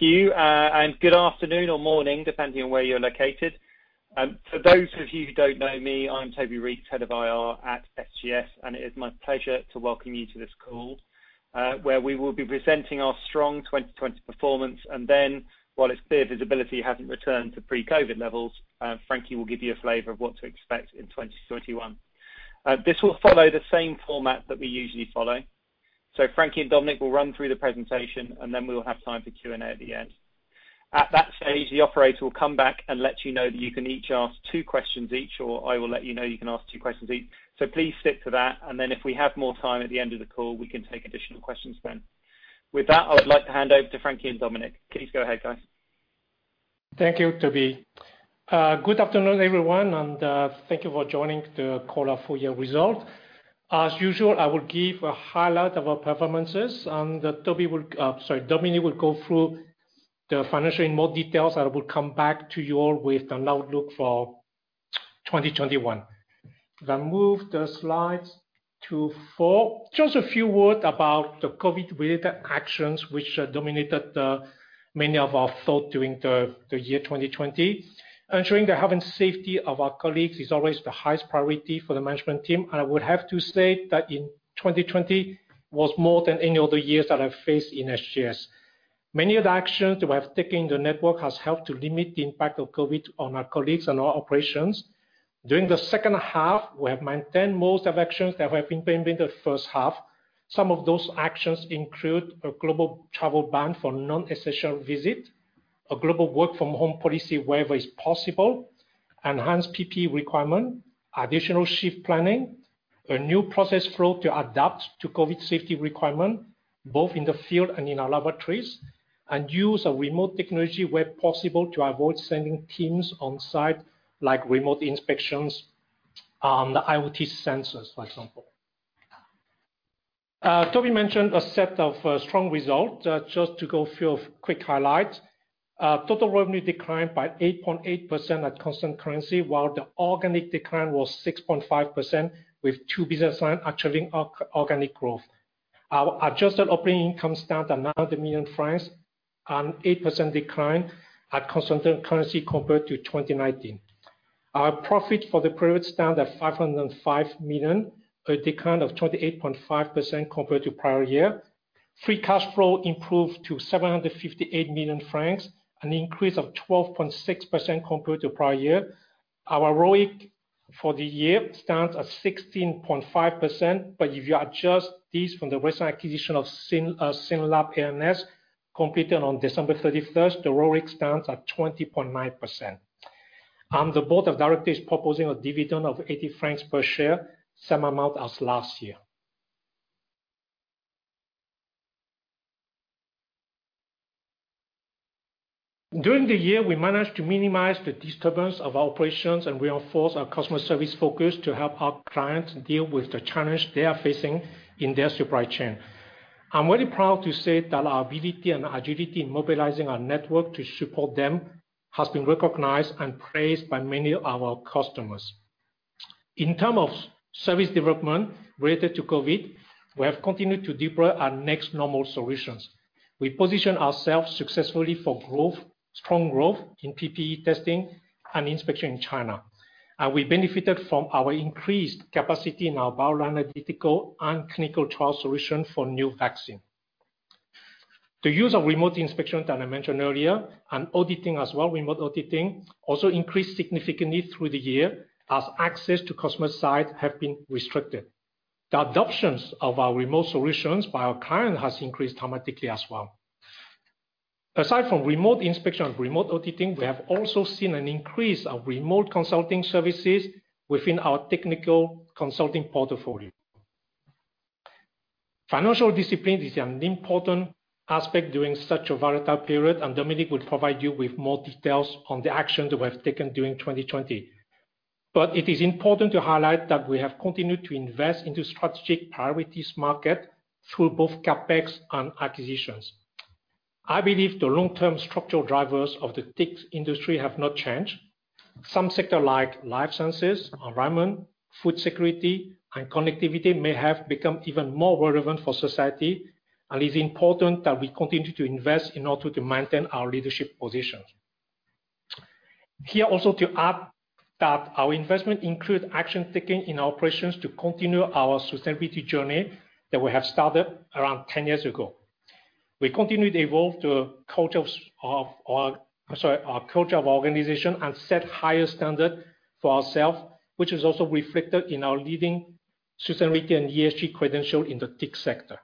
Thank you, and good afternoon or morning, depending on where you're located. For those of you who don't know me, I'm Toby Reeks, head of IR at SGS, and it is my pleasure to welcome you to this call, where we will be presenting our strong 2020 performance. While it's clear visibility hasn't returned to pre-COVID levels, Frankie will give you a flavor of what to expect in 2021. This will follow the same format that we usually follow. Frankie and Dominik will run through the presentation, and then we will have time for Q&A at the end. At that stage, the operator will come back and let you know that you can each ask two questions each, or I will let you know you can ask two questions each. Please stick to that, and then if we have more time at the end of the call, we can take additional questions then. With that, I would like to hand over to Frankie and Dominik. Please go ahead, guys. Thank you, Toby. Good afternoon, everyone, and thank you for joining the call our full year result. As usual, I will give a highlight of our performances, and Dominik will go through the financial in more details. I will come back to you all with an outlook for 2021. If I move the slides to four. Just a few words about the COVID-related actions which dominated many of our thought during the year 2020, ensuring the health and safety of our colleagues is always the highest priority for the management team. I would have to say that in 2020 was more than any other years that I faced in SGS. Many of the actions we have taken in the network has helped to limit the impact of COVID on our colleagues and our operations. During the second half, we have maintained most of actions that have been made in the first half. Some of those actions include a global travel ban for non-essential visit, a global work from home policy wherever is possible, enhanced PPE requirement, additional shift planning, a new process flow to adapt to COVID-19 safety requirement, both in the field and in our laboratories, and use of remote technology where possible to avoid sending teams on site, like remote inspections and IoT sensors, for example. Toby mentioned a set of strong results. Just to go few quick highlights. Total revenue declined by 8.8% at constant currency, while the organic decline was 6.5% with two business line achieving organic growth. Our adjusted operating income stands at 900 million francs, an 8% decline at constant currency compared to 2019. Our profit for the period stand at 505 million, a decline of 28.5% compared to prior year. Free cash flow improved to 758 million francs, an increase of 12.6% compared to prior year. Our ROIC for the year stands at 16.5%, but if you adjust this from the recent acquisition of SYNLAB A&S completed on December 31st, the ROIC stands at 20.9%. The board of directors is proposing a dividend of 80 francs per share, same amount as last year. During the year, we managed to minimize the disturbance of our operations and reinforce our customer service focus to help our clients deal with the challenge they are facing in their supply chain. I'm very proud to say that our ability and agility in mobilizing our network to support them has been recognized and praised by many of our customers. In term of service development related to COVID-19, we have continued to deploy our next normal solutions. We position ourselves successfully for growth, strong growth in PPE testing and inspection in China. We benefited from our increased capacity in our bioanalytical and clinical trial solution for new vaccine. The use of remote inspection that I mentioned earlier and auditing as well, remote auditing, also increased significantly through the year as access to customer site have been restricted. The adoptions of our remote solutions by our client has increased dramatically as well. Aside from remote inspection and remote auditing, we have also seen an increase of remote consulting services within our technical consulting portfolio. Financial discipline is an important aspect during such a volatile period, and Dominik will provide you with more details on the actions we have taken during 2020. It is important to highlight that we have continued to invest into strategic priorities market through both CapEx and acquisitions. I believe the long-term structural drivers of the TIC industry have not changed. Some sector like life sciences, environment, food security, and connectivity may have become even more relevant for society and is important that we continue to invest in order to maintain our leadership position. Here also to add that our investment includes action taken in our operations to continue our sustainability journey that we have started around 10 years ago. We continue to evolve the culture of our organization and set higher standard for ourselves, which is also reflected in our leading sustainability and ESG credential in the TIC sector.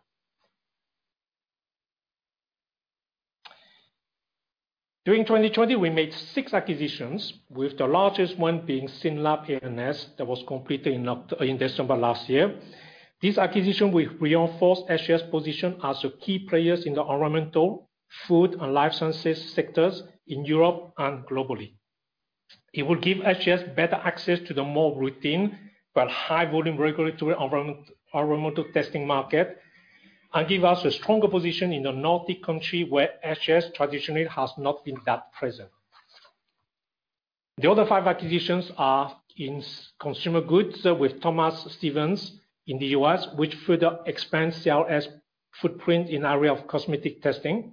During 2020, we made six acquisitions, with the largest one being SYNLAB A&S that was completed in December last year. This acquisition will reinforce SGS position as a key players in the environmental, food and life sciences sectors in Europe and globally. It will give SGS better access to the more routine but high volume regulatory environmental testing market and give us a stronger position in the Nordic country where SGS traditionally has not been that present. The other five acquisitions are in consumer goods with Thomas Stephens in the U.S., which further expands CRS footprint in area of cosmetic testing.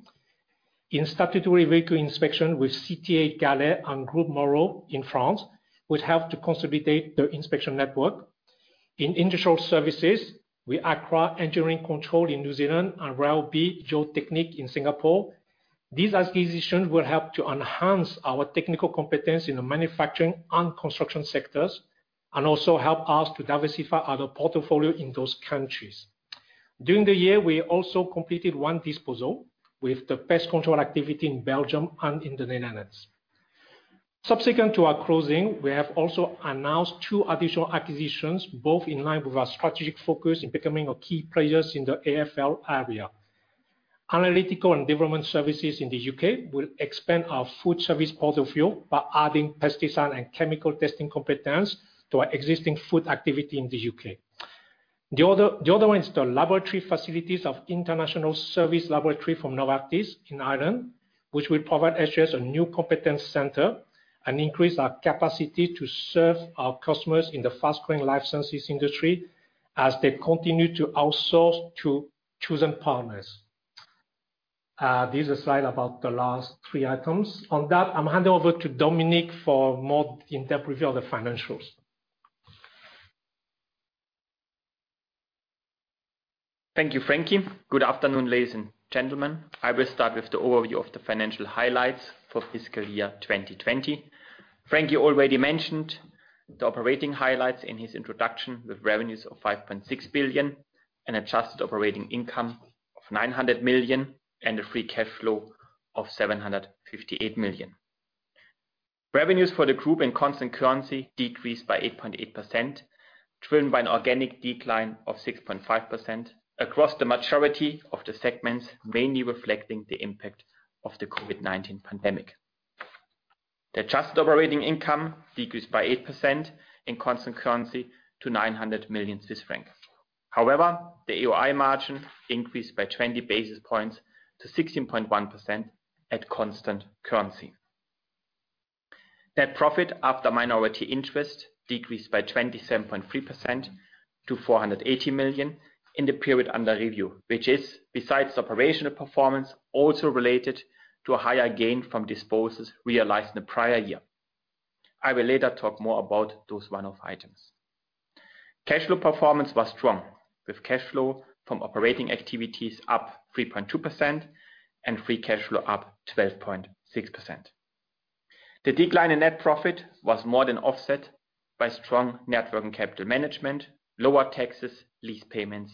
In statutory vehicle inspection with CTA Gallet and Groupe Moreau in France, which help to consolidate the inspection network. In industrial services, with Accra Engineering Controls in New Zealand and Ryobi Geotechnique in Singapore. These acquisitions will help to enhance our technical competence in the manufacturing and construction sectors, and also help us to diversify other portfolio in those countries. During the year, we also completed one disposal with the pest control activity in Belgium and in the Netherlands. Subsequent to our closing, we have also announced two additional acquisitions, both in line with our strategic focus in becoming a key players in the AFL area. Analytical & Development Services in the U.K. will expand our food service portfolio by adding pesticide and chemical testing competence to our existing food activity in the U.K. The other one is the laboratory facilities of International Service Laboratory from Novartis in Ireland, which will provide SGS a new competence center and increase our capacity to serve our customers in the fast-growing life sciences industry as they continue to outsource to chosen partners. This is a slide about the last three items. I'll hand over to Dominik for more interpretation of the financials. Thank you, Frankie. Good afternoon, ladies and gentlemen. I will start with the overview of the financial highlights for fiscal year 2020. Frankie already mentioned the operating highlights in his introduction with revenues of 5.6 billion and adjusted operating income of 900 million and a free cash flow of 758 million. Revenues for the group in constant currency decreased by 8.8%, driven by an organic decline of 6.5% across the majority of the segments, mainly reflecting the impact of the COVID-19 pandemic. The adjusted operating income decreased by 8% in constant currency to 900 million Swiss francs. The AOI margin increased by 20 basis points to 16.1% at constant currency. Net profit after minority interest decreased by 27.3% to 480 million in the period under review, which is, besides operational performance, also related to a higher gain from disposals realized in the prior year. I will later talk more about those one-off items. Cash flow performance was strong, with cash flow from operating activities up 3.2% and free cash flow up 12.6%. The decline in net profit was more than offset by strong net working capital management, lower taxes, lease payments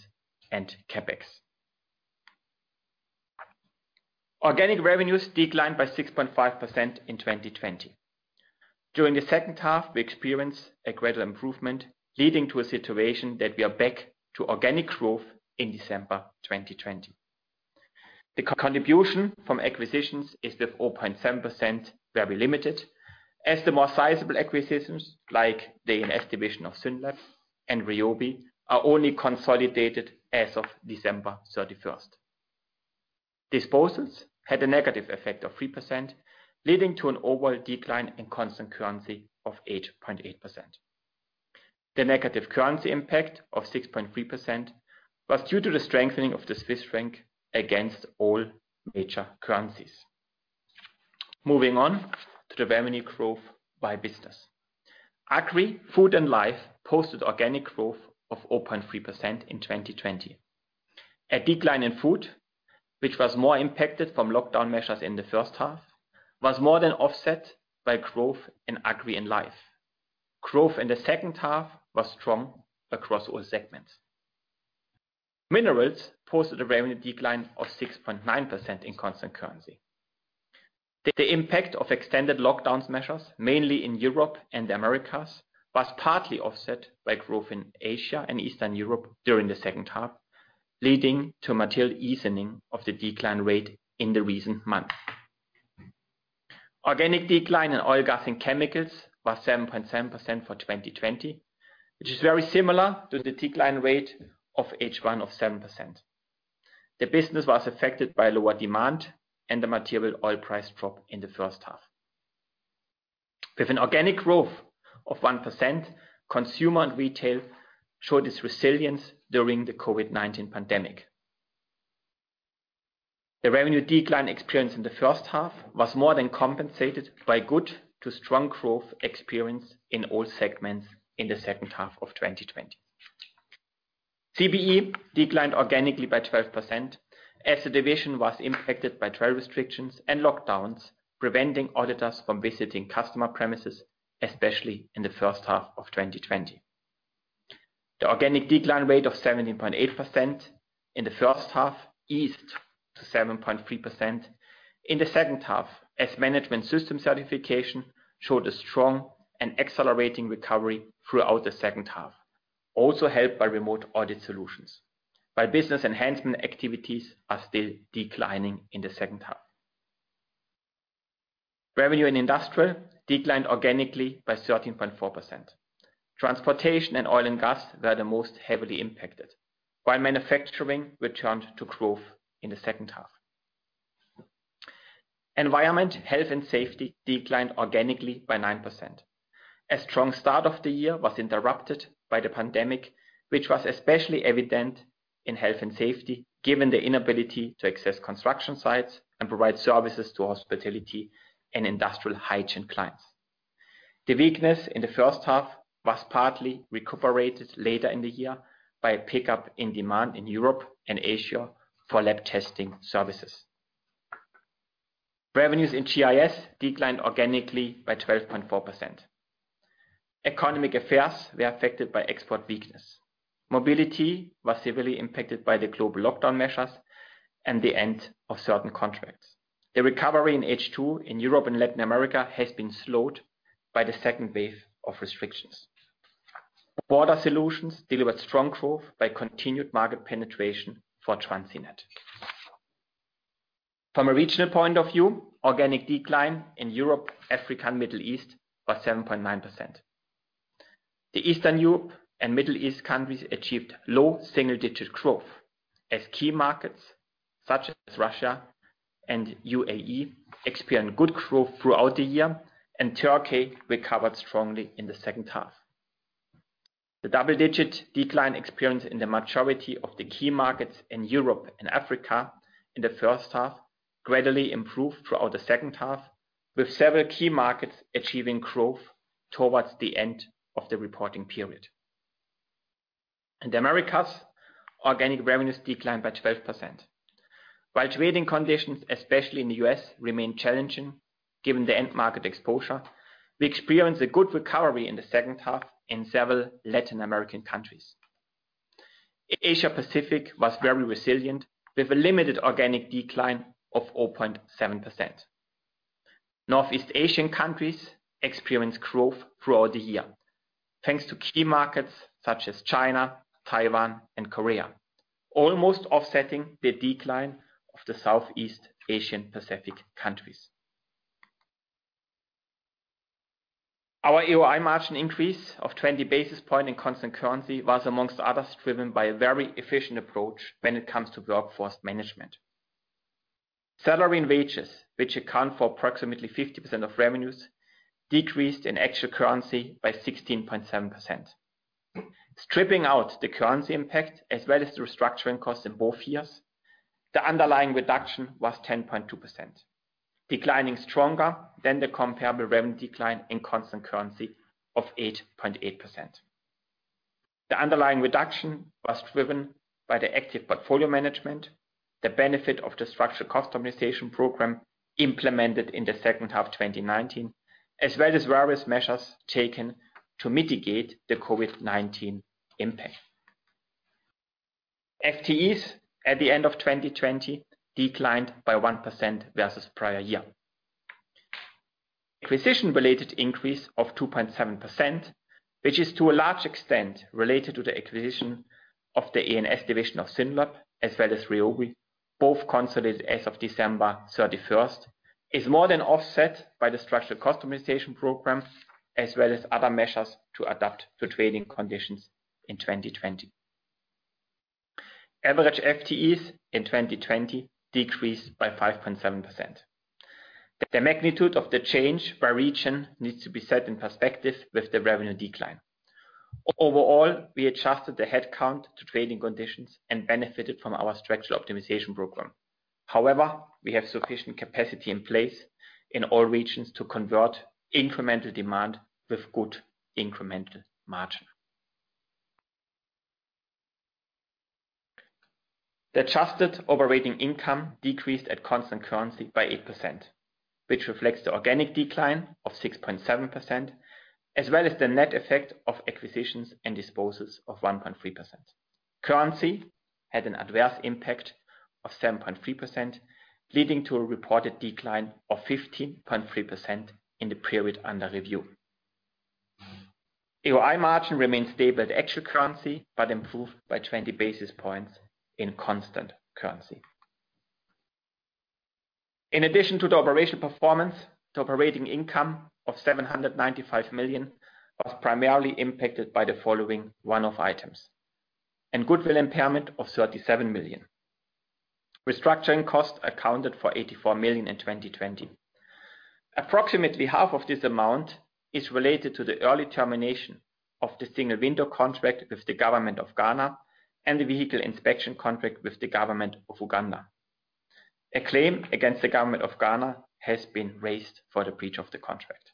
and CapEx. Organic revenues declined by 6.5% in 2020. During the second half, we experienced a gradual improvement, leading to a situation that we are back to organic growth in December 2020. The contribution from acquisitions is with 0.7% very limited, as the more sizable acquisitions, like the A&S division of SYNLAB and Ryobi, are only consolidated as of December 31st. Disposals had a negative effect of 3%, leading to an overall decline in constant currency of 8.8%. The negative currency impact of 6.3% was due to the strengthening of the Swiss franc against all major currencies. Moving on to the revenue growth by business. Agri, Food and Life posted organic growth of 0.3% in 2020. A decline in Food, which was more impacted from lockdown measures in the first half, was more than offset by growth in Agri and Life. Growth in the second half was strong across all segments. Minerals posted a revenue decline of 6.9% in constant currency. The impact of extended lockdowns measures, mainly in Europe and the Americas, was partly offset by growth in Asia and Eastern Europe during the second half, leading to a material easing of the decline rate in the recent months. Organic decline in Oil, Gas and Chemicals was 7.7% for 2020, which is very similar to the decline rate of H1 of 7%. The business was affected by lower demand and the material oil price drop in the first half. With an organic growth of 1%, Consumer and Retail showed its resilience during the COVID-19 pandemic. The revenue decline experienced in the first half was more than compensated by good to strong growth experienced in all segments in the second half of 2020. CBE declined organically by 12% as the division was impacted by travel restrictions and lockdowns, preventing auditors from visiting customer premises, especially in the first half of 2020. The organic decline rate of 17.8% in the first half eased to 7.3% in the second half as management system certification showed a strong and accelerating recovery throughout the second half, also helped by remote audit solutions. Business enhancement activities are still declining in the second half. Revenue in Industrial declined organically by 13.4%. Transportation and oil and gas were the most heavily impacted, while manufacturing returned to growth in the second half. Environment, health and safety declined organically by 9%. A strong start of the year was interrupted by the pandemic, which was especially evident in health and safety, given the inability to access construction sites and provide services to hospitality and industrial hygiene clients. The weakness in the first half was partly recuperated later in the year by a pickup in demand in Europe and Asia for lab testing services. Revenues in GIS declined organically by 12.4%. Economic affairs were affected by export weakness. Mobility was severely impacted by the global lockdown measures and the end of certain contracts. The recovery in H2 in Europe and Latin America has been slowed by the second wave of restrictions. Border solutions delivered strong growth by continued market penetration for TransitNet. From a regional point of view, organic decline in Europe, Africa, and Middle East was 7.9%. The Eastern Europe and Middle East countries achieved low single-digit growth as key markets such as Russia and UAE experienced good growth throughout the year, and Turkey recovered strongly in the second half. The double-digit decline experienced in the majority of the key markets in Europe and Africa in the first half gradually improved throughout the second half, with several key markets achieving growth towards the end of the reporting period. In the Americas, organic revenues declined by 12%. While trading conditions, especially in the U.S., remained challenging given the end market exposure, we experienced a good recovery in the second half in several Latin American countries. Asia Pacific was very resilient, with a limited organic decline of 0.7%. Northeast Asian countries experienced growth throughout the year, thanks to key markets such as China, Taiwan, and Korea, almost offsetting the decline of the Southeast Asian Pacific countries. Our AOI margin increase of 20 basis points in constant currency was among others, driven by a very efficient approach when it comes to workforce management. Salary and wages, which account for approximately 50% of revenues, decreased in actual currency by 16.7%. Stripping out the currency impact as well as the restructuring costs in both years, the underlying reduction was 10.2%, declining stronger than the comparable revenue decline in constant currency of 8.8%. The underlying reduction was driven by the active portfolio management, the benefit of the structural cost optimization program implemented in the second half of 2019, as well as various measures taken to mitigate the COVID-19 impact. FTEs at the end of 2020 declined by 1% versus prior year. Acquisition-related increase of 2.7%, which is to a large extent related to the acquisition of the A&S division of SYNLAB, as well as Ryobi, both consolidated as of December 31st, is more than offset by the structural cost optimization program, as well as other measures to adapt to trading conditions in 2020. Average FTEs in 2020 decreased by 5.7%. The magnitude of the change by region needs to be set in perspective with the revenue decline. Overall, we adjusted the headcount to trading conditions and benefited from our structural optimization program. However, we have sufficient capacity in place in all regions to convert incremental demand with good incremental margin. The adjusted operating income decreased at constant currency by 8%, which reflects the organic decline of 6.7%, as well as the net effect of acquisitions and disposals of 1.3%. Currency had an adverse impact of 7.3%, leading to a reported decline of 15.3% in the period under review. AOI margin remains stable at actual currency, but improved by 20 basis points in constant currency. In addition to the operational performance, the operating income of 795 million was primarily impacted by the following one-off items. In goodwill impairment of 37 million. Restructuring costs accounted for 84 million in 2020. Approximately half of this amount is related to the early termination of the single window contract with the government of Ghana and the vehicle inspection contract with the government of Uganda. A claim against the government of Ghana has been raised for the breach of the contract.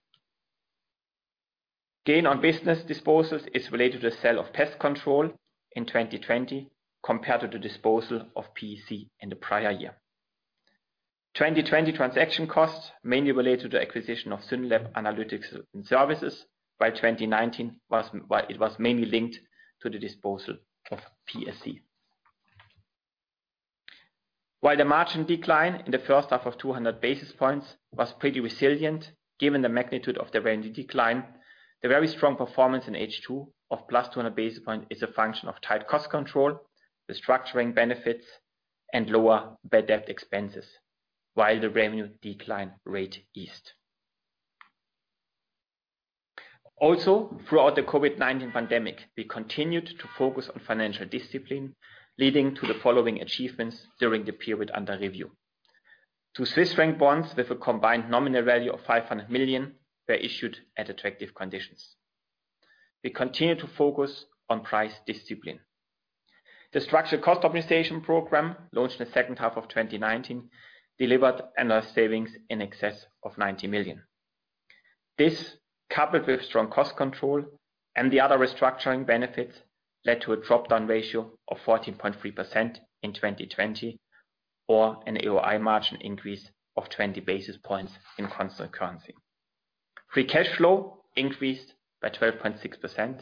Gain on business disposals is related to the sale of PSC in 2020 compared to the disposal of PSC in the prior year. 2020 transaction costs mainly related to the acquisition of SYNLAB Analytics & Services, while 2019, it was mainly linked to the disposal of PSC. While the margin decline in the first half of 200 basis points was pretty resilient given the magnitude of the revenue decline, the very strong performance in H2 of +200 basis points is a function of tight cost control, the structuring benefits, and lower bad debt expenses, while the revenue decline rate eased. Throughout the COVID-19 pandemic, we continued to focus on financial discipline, leading to the following achievements during the period under review. Two CHF bonds with a combined nominal value of 500 million were issued at attractive conditions. We continue to focus on price discipline. The structured cost optimization program, launched in the second half of 2019, delivered annual savings in excess of 90 million. This, coupled with strong cost control and the other restructuring benefits, led to a drop-down ratio of 14.3% in 2020 or an AOI margin increase of 20 basis points in constant currency. Free cash flow increased by 12.6%,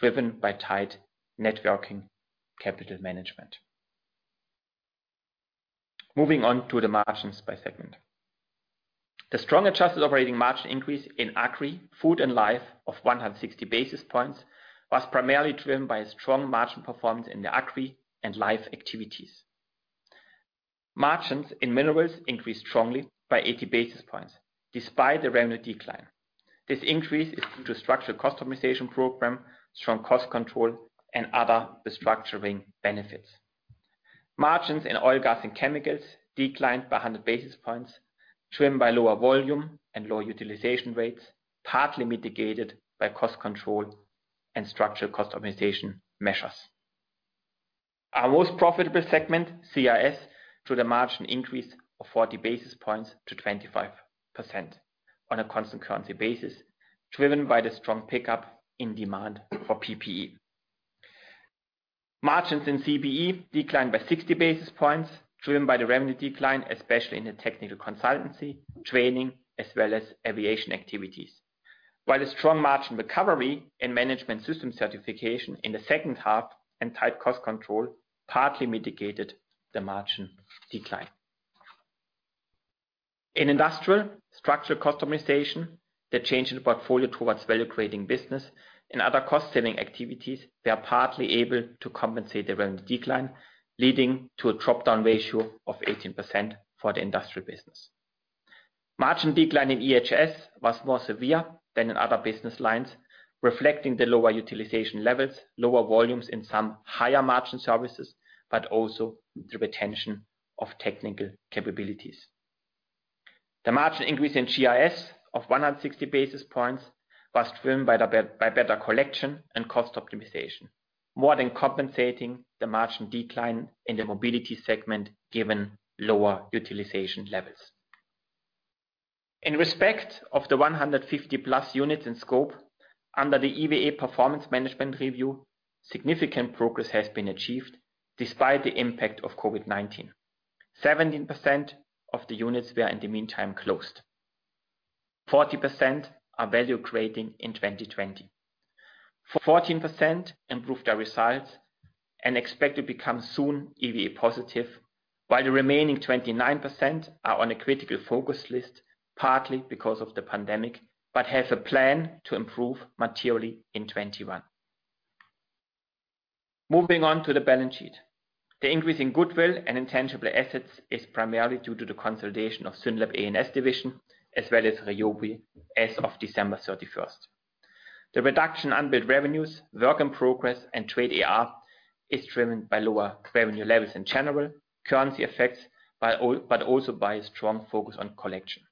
driven by tight net working capital management. Moving on to the margins by segment. The strong adjusted operating margin increase in Agri, Food, and Life of 160 basis points was primarily driven by a strong margin performance in the Agri and Life activities. Margins in Minerals increased strongly by 80 basis points, despite the revenue decline. This increase is due to structural cost optimization program, strong cost control, and other restructuring benefits. Margins in Oil, Gas, and Chemicals declined by 100 basis points, driven by lower volume and lower utilization rates, partly mitigated by cost control and structural cost optimization measures. Our most profitable segment, CRS, saw the margin increase of 40 basis points to 25% on a constant currency basis, driven by the strong pickup in demand for PPE. Margins in CBE declined by 60 basis points, driven by the revenue decline, especially in the technical consultancy, training, as well as aviation activities. The strong margin recovery and management system certification in the second half and tight cost control partly mitigated the margin decline. In Industrial, structural cost optimization, the change in the portfolio towards value-creating business and other cost-saving activities were partly able to compensate the revenue decline, leading to a drop-down ratio of 18% for the Industrial business. Margin decline in EHS was more severe than in other business lines, reflecting the lower utilization levels, lower volumes in some higher margin services, but also the retention of technical capabilities. The margin increase in GIS of 160 basis points was driven by better collection and cost optimization, more than compensating the margin decline in the mobility segment, given lower utilization levels. In respect of the 150+ units in scope under the EVA performance management review, significant progress has been achieved despite the impact of COVID-19. 17% of the units were in the meantime closed. 40% are value-creating in 2020. 14% improved their results and expect to become soon EVA positive, while the remaining 29% are on a critical focus list, partly because of the pandemic, but have a plan to improve materially in 2021. Moving on to the balance sheet. The increase in goodwill and intangible assets is primarily due to the consolidation of SYNLAB A&S Division, as well as Ryobi as of December 31st. The reduction in unbilled revenues, work in progress, and trade AR is driven by lower revenue levels in general, currency effects, but also by a strong focus on collection.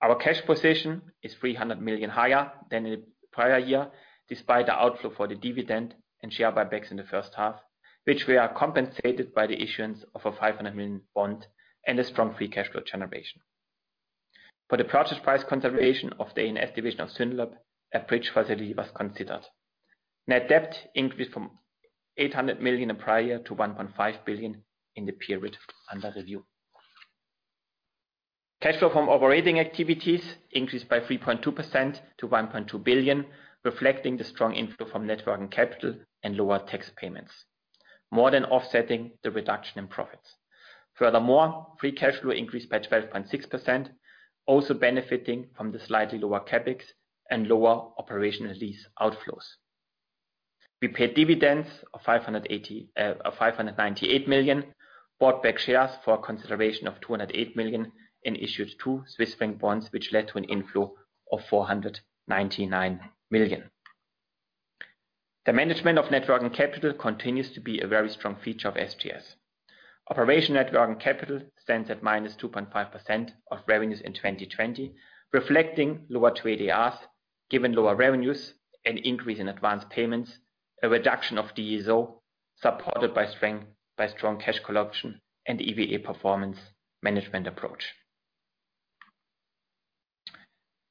Our cash position is 300 million higher than the prior year, despite the outflow for the dividend and share buybacks in the first half, which we are compensated by the issuance of a 500 million bond and a strong free cash flow generation. For the purchase price consideration of the A&S division of SYNLAB, a bridge facility was considered. Net debt increased from 800 million in prior to 1.5 billion in the period under review. Cash flow from operating activities increased by 3.2% to 1.2 billion, reflecting the strong inflow from net working capital and lower tax payments, more than offsetting the reduction in profits. Furthermore, free cash flow increased by 12.6%, also benefiting from the slightly lower CapEx and lower operational lease outflows. We paid dividends of 598 million, bought back shares for a consideration of 208 million and issued two Swiss franc bonds, which led to an inflow of 499 million. The management of net working capital continues to be a very strong feature of SGS. Operational net working capital stands at -2.5% of revenues in 2020, reflecting lower trade ARs, given lower revenues, an increase in advance payments, a reduction of DSO, supported by strong cash collection and EVA performance management approach.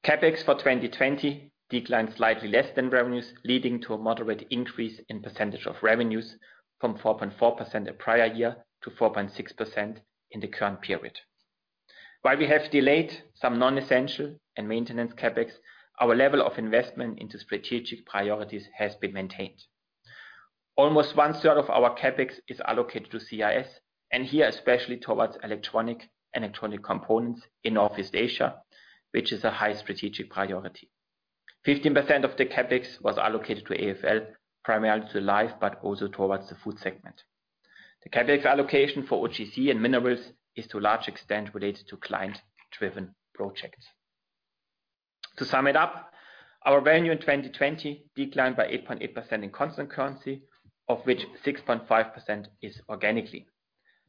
CapEx for 2020 declined slightly less than revenues, leading to a moderate increase in percentage of revenues from 4.4% the prior year to 4.6% in the current period. While we have delayed some non-essential and maintenance CapEx, our level of investment into strategic priorities has been maintained. Almost 1/3 of our CapEx is allocated to CRS, here, especially towards electronic components in Northeast Asia, which is a high strategic priority. 15% of the CapEx was allocated to AFL, primarily to Life, also towards the Food segment. The capital allocation for OGC and minerals is to a large extent related to client-driven projects. To sum it up, our revenue in 2020 declined by 8.8% in constant currency, of which 6.5% is organically.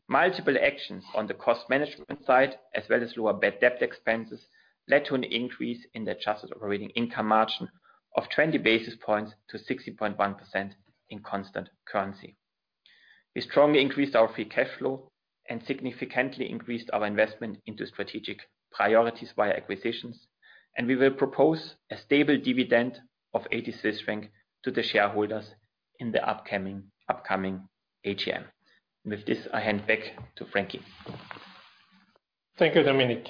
Multiple actions on the cost management side, as well as lower bad debt expenses, led to an increase in the adjusted operating income margin of 20 basis points to 60.1% in constant currency. We strongly increased our free cash flow, significantly increased our investment into strategic priorities via acquisitions. We will propose a stable dividend of 80 franc to the shareholders in the upcoming AGM. With this, I hand back to Frankie. Thank you, Dominik.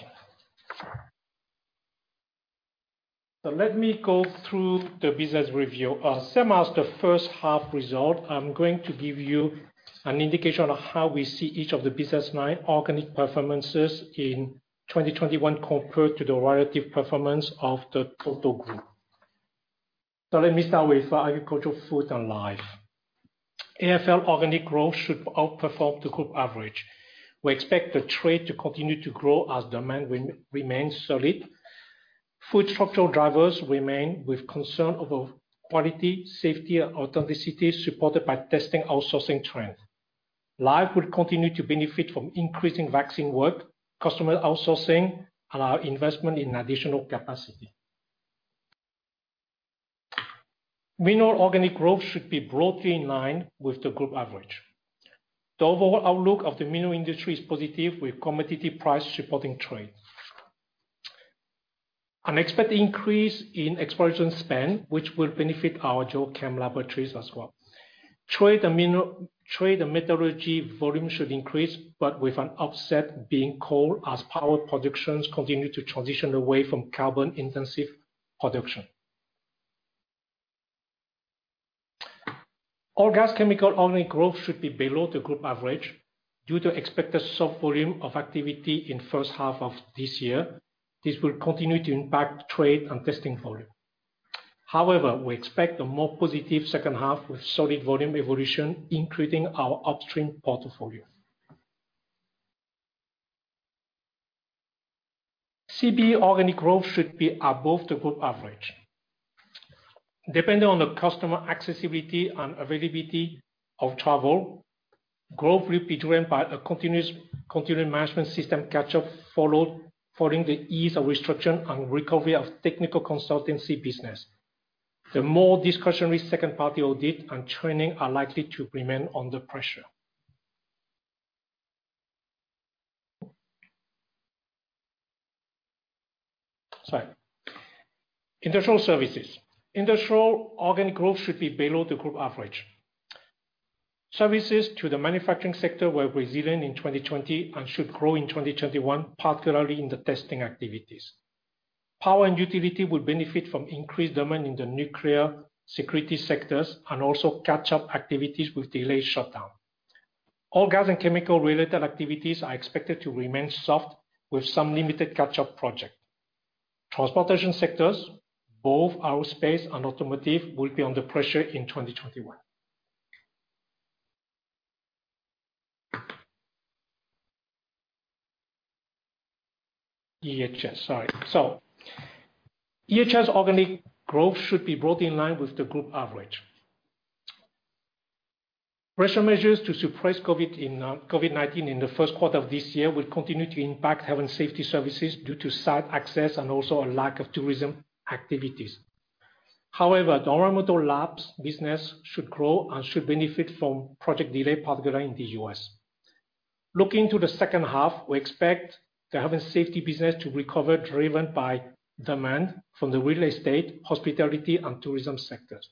Let me go through the business review. Same as the first half result, I'm going to give you an indication of how we see each of the business line organic performances in 2021 compared to the relative performance of the total group. Let me start with Agricultural, Food, and Life. AFL organic growth should outperform the group average. We expect the trade to continue to grow as demand remains solid. Food structural drivers remain with concern over quality, safety, and authenticity, supported by testing outsourcing trend. Life will continue to benefit from increasing vaccine work, customer outsourcing, and our investment in additional capacity. Mineral organic growth should be broadly in line with the group average. The overall outlook of the mineral industry is positive, with competitive price supporting trade. An expected increase in exploration spend, which will benefit our geo-chem laboratories as well. Trade and metallurgy volume should increase, but with an offset being coal, as power productions continue to transition away from carbon-intensive production. Oil and gas chemical organic growth should be below the group average due to expected soft volume of activity in first half of this year. This will continue to impact trade and testing volume. However, we expect a more positive second half with solid volume evolution, including our upstream portfolio. CBE organic growth should be above the group average. Depending on the customer accessibility and availability of travel, growth will be driven by a continuing management system catch-up following the ease of restriction and recovery of technical consultancy business. The more discretionary second-party audit and training are likely to remain under pressure. Sorry. Industrial services. Industrial organic growth should be below the group average. Services to the manufacturing sector were resilient in 2020 and should grow in 2021, particularly in the testing activities. Power and utility will benefit from increased demand in the nuclear security sectors, and also catch-up activities with delayed shutdown. Oil, gas and chemical-related activities are expected to remain soft with some limited catch-up project. Transportation sectors, both aerospace and automotive, will be under pressure in 2021. EHS. Sorry. EHS organic growth should be broadly in line with the group average. Pressure measures to suppress COVID-19 in the first quarter of this year will continue to impact health and safety services due to site access and also a lack of tourism activities. The environmental labs business should grow and should benefit from project delay, particularly in the U.S. Looking to the second half, we expect the health and safety business to recover, driven by demand from the real estate, hospitality, and tourism sectors.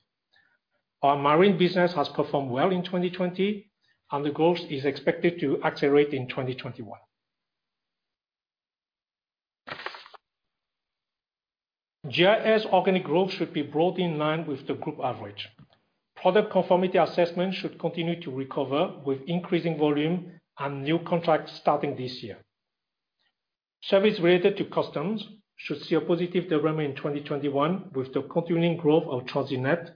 Our marine business has performed well in 2020. The growth is expected to accelerate in 2021. GIS organic growth should be broadly in line with the group average. Product conformity assessment should continue to recover with increasing volume and new contracts starting this year. Service related to customs should see a positive development in 2021 with the continuing growth of TransitNet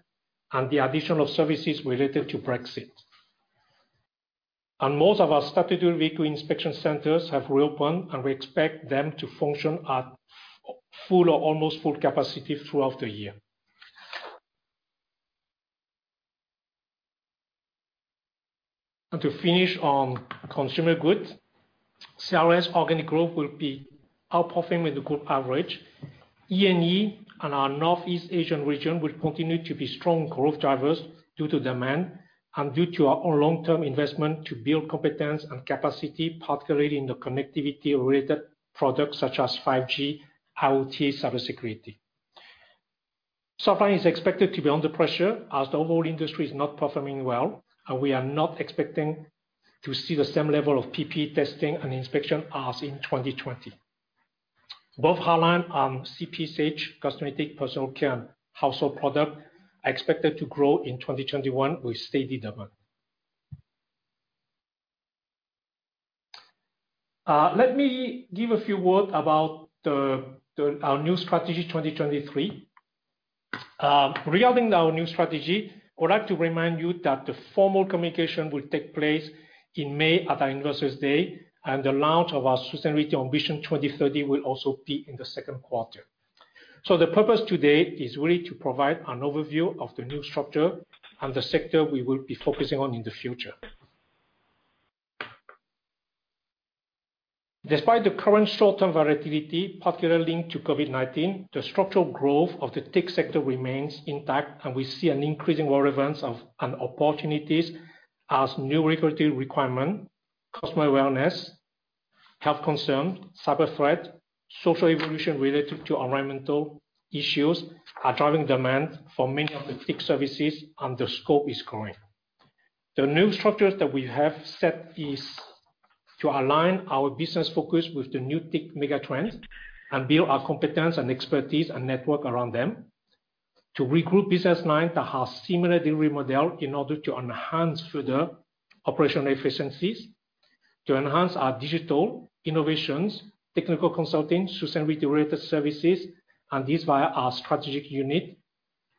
and the addition of services related to Brexit. Most of our statutory vehicle inspection centers have reopened, and we expect them to function at full or almost full capacity throughout the year. To finish on consumer goods, CRS organic growth will be outperforming the group average. E&E and our Northeast Asian region will continue to be strong growth drivers due to demand and due to our long-term investment to build competence and capacity, particularly in the connectivity-related products such as 5G, IoT, cybersecurity. We are not expecting to see the same level of PPE testing and inspection as in 2020. Both Hardlines and CPCH, Cosmetic Personal Care and Household product, are expected to grow in 2021 with steady demand. Let me give a few word about our new strategy 2023. Regarding our new strategy, I would like to remind you that the formal communication will take place in May at our Investors Day, and the launch of our Sustainability Ambitions 2030 will also be in the second quarter. The purpose today is really to provide an overview of the new structure and the sector we will be focusing on in the future. Despite the current short-term variability, particularly linked to COVID-19, the structural growth of the TIC sector remains intact, and we see an increasing relevance of opportunities as new regulatory requirement, customer awareness, health concern, cyber threat, social evolution related to environmental issues are driving demand for many of the TIC services, and the scope is growing. The new structures that we have set is to align our business focus with the new TIC megatrend and build our competence and expertise and network around them. To regroup business line that have similar delivery model in order to enhance further operational efficiencies. To enhance our digital innovations, technical consulting, sustainability-related services, and this via our strategic unit.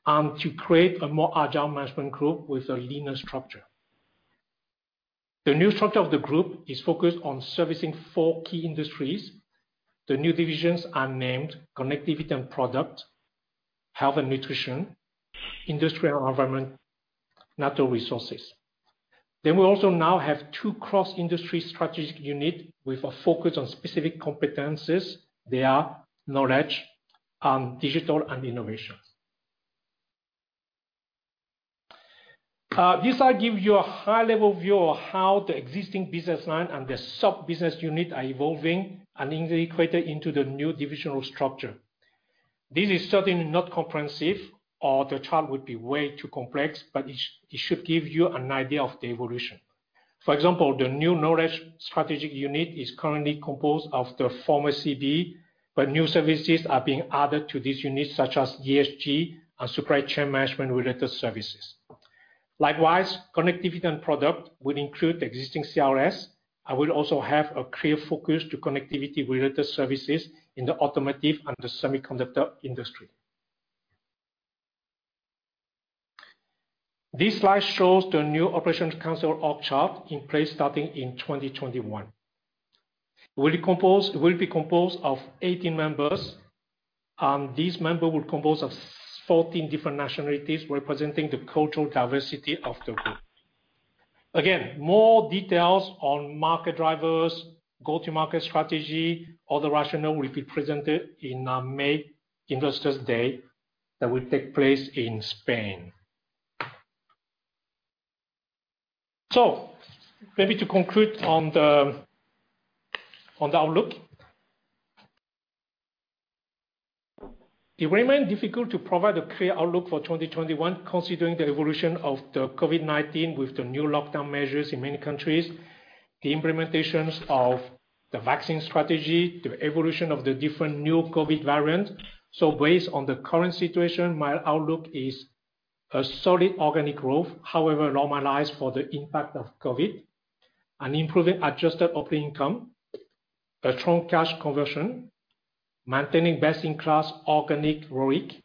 To create a more agile management group with a leaner structure. The new structure of the group is focused on servicing four key industries. The new divisions are named Connectivity & Products, Health & Nutrition, Industries & Environment, Natural Resources. We also now have two cross-industry strategic unit with a focus on specific competencies. They are Knowledge and digital and innovations. This slide gives you a high-level view of how the existing business line and the sub-business unit are evolving and integrated into the new divisional structure. This is certainly not comprehensive, or the chart would be way too complex, but it should give you an idea of the evolution. For example, the new Knowledge strategic unit is currently composed of the former CBE, but new services are being added to this unit, such as ESG and supply chain management-related services. Likewise, Connectivity & Products will include existing CRS and will also have a clear focus to connectivity-related services in the automotive and the semiconductor industry. This slide shows the new Operations Council org chart in place starting in 2021. It will be composed of 18 members, and these member will compose of 14 different nationalities representing the cultural diversity of the group. More details on market drivers, go-to-market strategy, all the rationale will be presented in our May Investors Day that will take place in Spain. Maybe to conclude on the outlook. It remain difficult to provide a clear outlook for 2021 considering the evolution of the COVID-19 with the new lockdown measures in many countries, the implementations of the vaccine strategy, the evolution of the different new COVID variants. Based on the current situation, my outlook is a solid organic growth, however normalized for the impact of COVID, an improving adjusted operating income, a strong cash conversion, maintaining best-in-class organic ROIC,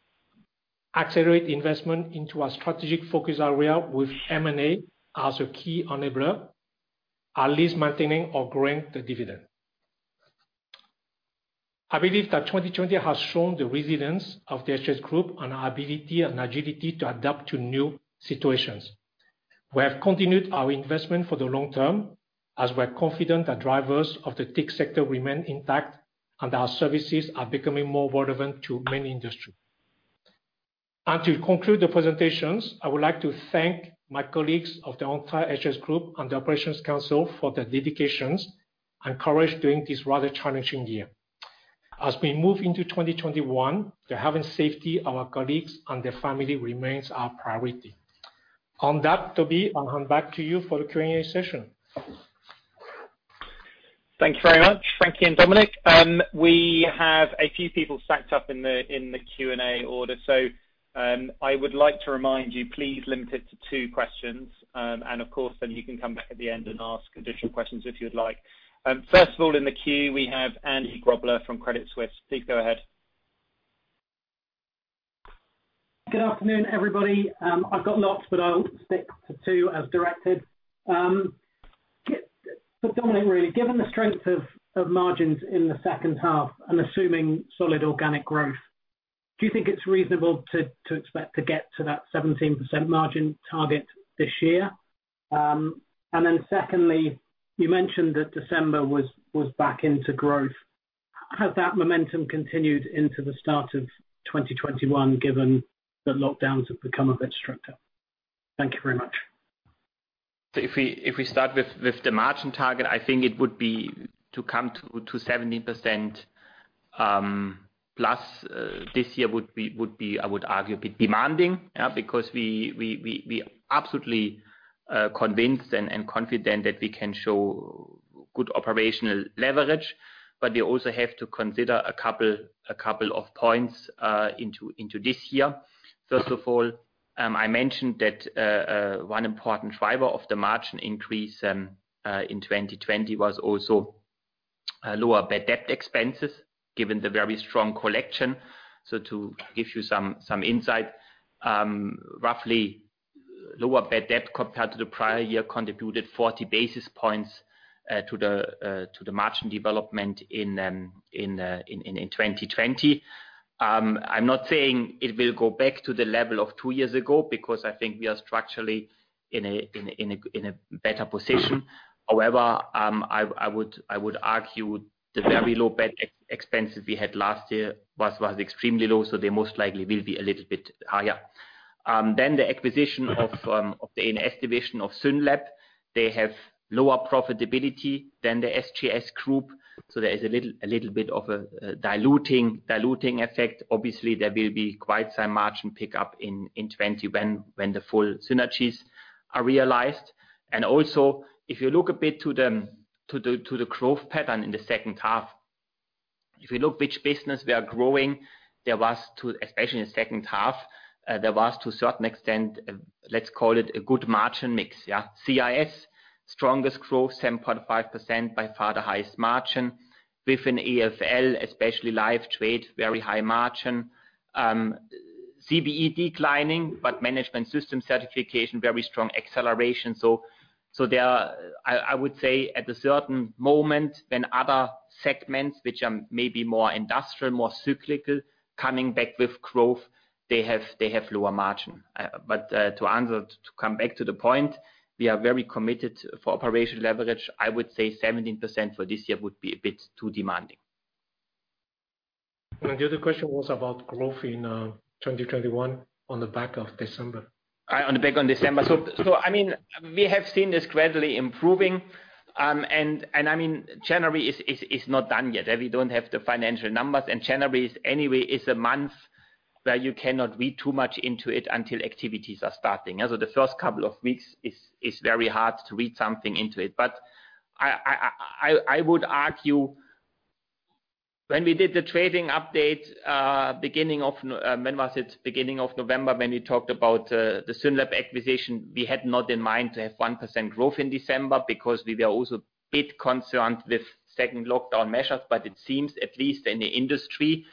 accelerate investment into our strategic focus area with M&A as a key enabler. At least maintaining or growing the dividend. I believe that 2020 has shown the resilience of the SGS Group and our ability and agility to adapt to new situations. We have continued our investment for the long term as we are confident that drivers of the TIC sector remain intact and our services are becoming more relevant to many industry. To conclude the presentations, I would like to thank my colleagues of the entire SGS Group and the Operations Council for their dedications and courage during this rather challenging year. As we move into 2021, the health and safety of our colleagues and their family remains our priority. On that, Toby, I'll hand back to you for the Q&A session. Thank you very much, Frankie and Dominik. We have a few people stacked up in the in the Q&A order. I would like to remind you, please limit it to two questions. Of course, then you can come back at the end and ask additional questions if you'd like. First of all, in the queue we have Andy Grobler from Credit Suisse. Please go ahead. Good afternoon, everybody. I've got lots, but I'll stick to two as directed. For Dominik, really, given the strength of margins in the second half, and assuming solid organic growth, do you think it's reasonable to expect to get to that 17% margin target this year? Secondly, you mentioned that December was back into growth. Has that momentum continued into the start of 2021 given that lockdowns have become a bit stricter? Thank you very much. If we start with the margin target, I think it would be to come to 17%+ this year would be, I would argue, a bit demanding. We absolutely convinced and confident that we can show good operational leverage, but we also have to consider a couple of points into this year. I mentioned that one important driver of the margin increase in 2020 was also lower bad debt expenses, given the very strong collection. To give you some insight, roughly lower bad debt compared to the prior year contributed 40 basis points to the margin development in 2020. I'm not saying it will go back to the level of two years ago, because I think we are structurally in a better position. However, I would argue the very low bad expenses we had last year was extremely low, so they most likely will be a little bit higher. The acquisition of the A&S division of SYNLAB, they have lower profitability than the SGS group, so there is a little bit of a diluting effect. Obviously, there will be quite some margin pickup in 2020 when the full synergies are realized. Also, if you look a bit to the growth pattern in the second half, if you look which business we are growing, especially in the second half, there was to a certain extent, let's call it a good margin mix. CRS, strongest growth, 7.5%, by far the highest margin. Within AFL, especially live trade, very high margin. CBE declining, management system certification, very strong acceleration. I would say at a certain moment when other segments, which are maybe more industrial, more cyclical, coming back with growth, they have lower margin. To come back to the point, we are very committed for operational leverage. I would say 17% for this year would be a bit too demanding. The other question was about growth in 2021 on the back of December. On the back on December. We have seen this gradually improving. January is not done yet. We don't have the financial numbers, and January is anyway a month where you cannot read too much into it until activities are starting. The first couple of weeks is very hard to read something into it. I would argue, when we did the trading update, when was it? Beginning of November when we talked about the SYNLAB acquisition, we had not in mind to have 1% growth in December because we were also a bit concerned with second lockdown measures. It seems, at least in the industry,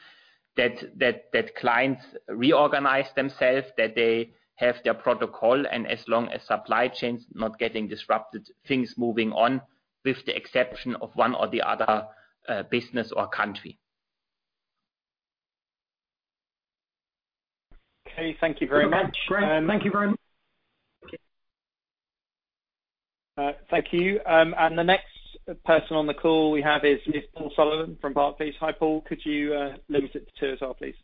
that clients reorganized themselves, that they have their protocol, and as long as supply chains not getting disrupted, things moving on, with the exception of one or the other business or country. Okay. Thank you very much. No problem. Great. Thank you very much. Thank you. The next person on the call we have is Paul Sullivan from Barclays. Hi, Paul. Could you limit it to us all, please?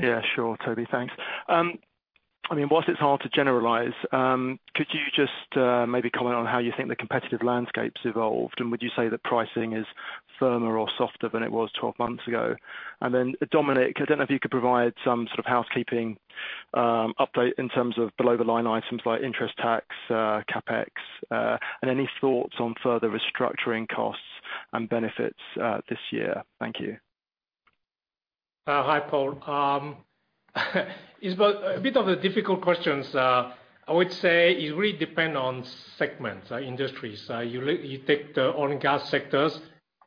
Yeah, sure, Toby. Thanks. While it's hard to generalize, could you just maybe comment on how you think the competitive landscape's evolved, and would you say that pricing is firmer or softer than it was 12 months ago? Then Dominik, I don't know if you could provide some sort of housekeeping update in terms of below the line items like interest, tax, CapEx, and any thoughts on further restructuring costs and benefits this year. Thank you. Hi, Paul. It's a bit of a difficult questions. I would say it really depend on segments, industries. You take the oil and gas sectors,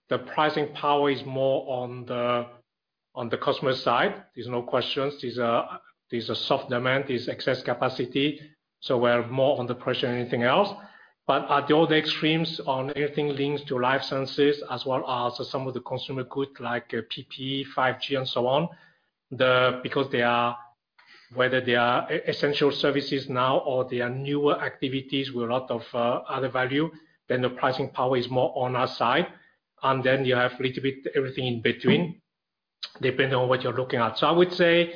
the pricing power is more on the customer side. There's no questions. There's a soft demand, there's excess capacity. We're more under pressure than anything else. At the other extremes on anything linked to life sciences, as well as some of the consumer goods like PPE, 5G, and so on, because whether they are essential services now or they are newer activities with a lot of added value, then the pricing power is more on our side. Then you have a little bit everything in between, depending on what you're looking at. I would say,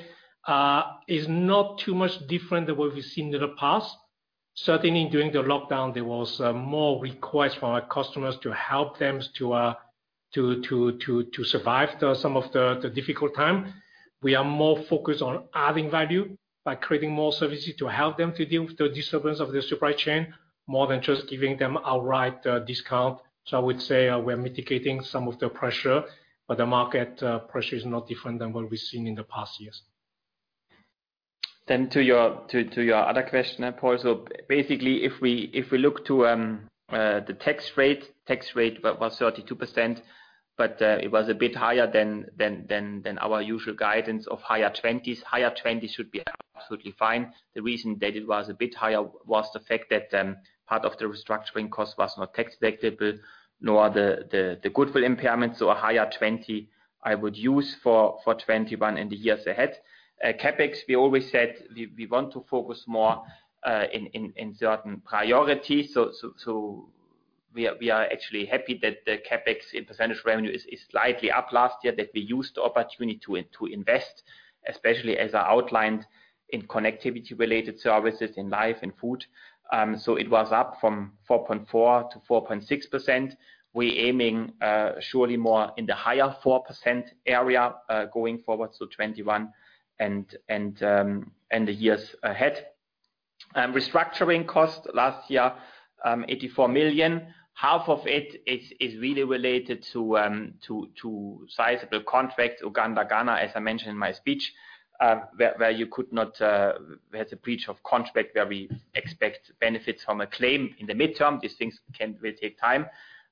it's not too much different than what we've seen in the past. Certainly during the lockdown, there was more requests from our customers to help them to survive some of the difficult time. We are more focused on adding value by creating more services to help them to deal with the disturbance of the supply chain, more than just giving them outright discount. I would say we're mitigating some of the pressure, but the market pressure is not different than what we've seen in the past years. To your other question, Paul. If we look to the tax rate, tax rate was 32%, but it was a bit higher than our usual guidance of higher 20s. Higher 20s should be absolutely fine. The reason that it was a bit higher was the fact that part of the restructuring cost was not tax deductible, nor the goodwill impairment. A higher 20 I would use for 2021 and the years ahead. CapEx, we always said we want to focus more in certain priorities. We are actually happy that the CapEx in percentage revenue is slightly up last year, that we used the opportunity to invest, especially as I outlined in connectivity related services in life and food. It was up from 4.4%-4.6%. We're aiming surely more in the higher 4% area, going forward to 2021 and the years ahead. Restructuring cost last year, 84 million. Half of it is really related to sizable contracts, Uganda, Ghana, as I mentioned in my speech, where there's a breach of contract where we expect benefits from a claim in the midterm. These things will take time,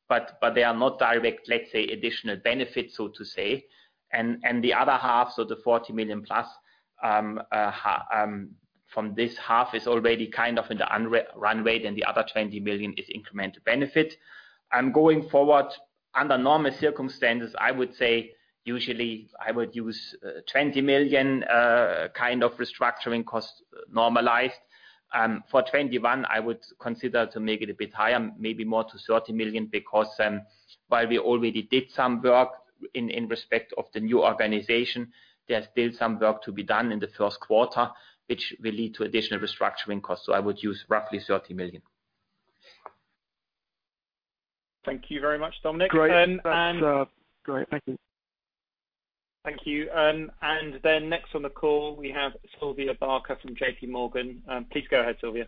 but they are not direct, let's say, additional benefits, so to say. The other half, so the 40 million plus, from this half is already kind of in the run rate, and the other 20 million is incremental benefit. Going forward, under normal circumstances, I would say usually I would use 20 million kind of restructuring cost normalized. For 2021, I would consider to make it a bit higher, maybe more to 30 million, because while we already did some work in respect of the new organization, there's still some work to be done in the first quarter, which will lead to additional restructuring costs. I would use roughly 30 million. Thank you very much, Dominik. Great. That's great. Thank you. Thank you. Next on the call, we have Sylvia Barker from JPMorgan. Please go ahead, Sylvia.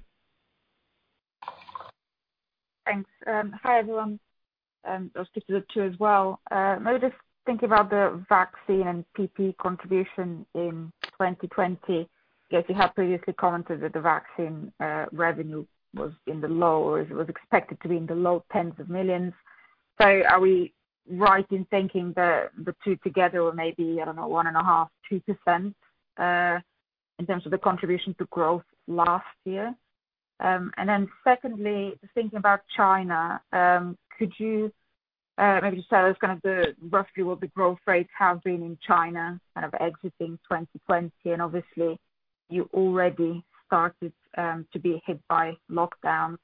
Thanks. Hi, everyone. I'll speak to the two as well. May I just think about the vaccine and PPE contribution in 2020. Yes, you have previously commented that the vaccine revenue was expected to be in the low tens of millions. Are we right in thinking that the two together or maybe, I don't know, 1.5%, 2% in terms of the contribution to growth last year? Secondly, thinking about China, could you maybe just tell us kind of roughly what the growth rates have been in China kind of exiting 2020? You already started to be hit by lockdowns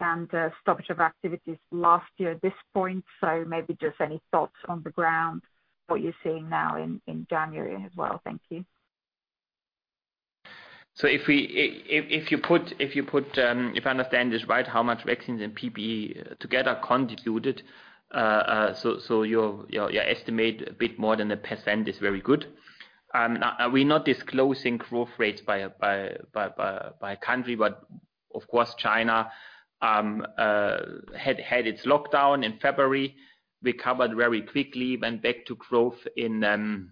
and stoppage of activities last year at this point, so maybe just any thoughts on the ground, what you're seeing now in January as well? Thank you. If I understand this right, how much vaccines and PPE together contributed, so your estimate a bit more than 1% is very good. We're not disclosing growth rates by country, but of course, China had its lockdown in February, recovered very quickly, went back to growth in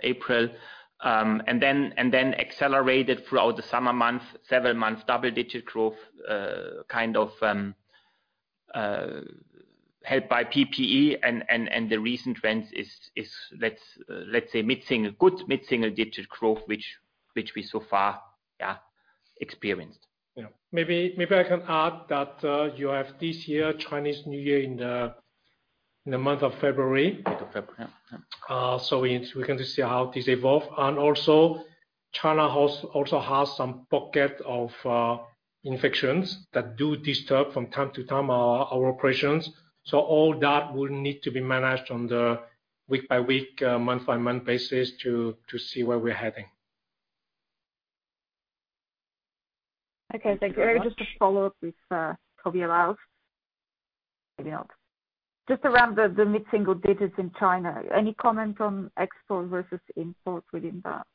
April, and then accelerated throughout the summer months, several months, double-digit growth kind of helped by PPE. The recent trends is, let's say, mid-single digit growth, which we so far experienced. Yeah. Maybe I can add that you have this year Chinese New Year in the month of February. Month of February. Yeah. We can just see how this evolve. China also has some pocket of infections that do disturb from time to time our operations. All that will need to be managed on the week-by-week, month-by-month basis to see where we're heading. Okay. Thank you very much. Thank you very much. Maybe just a follow-up if Toby allows. Maybe not. Just around the mid-single digits in China, any comment on export versus import within that?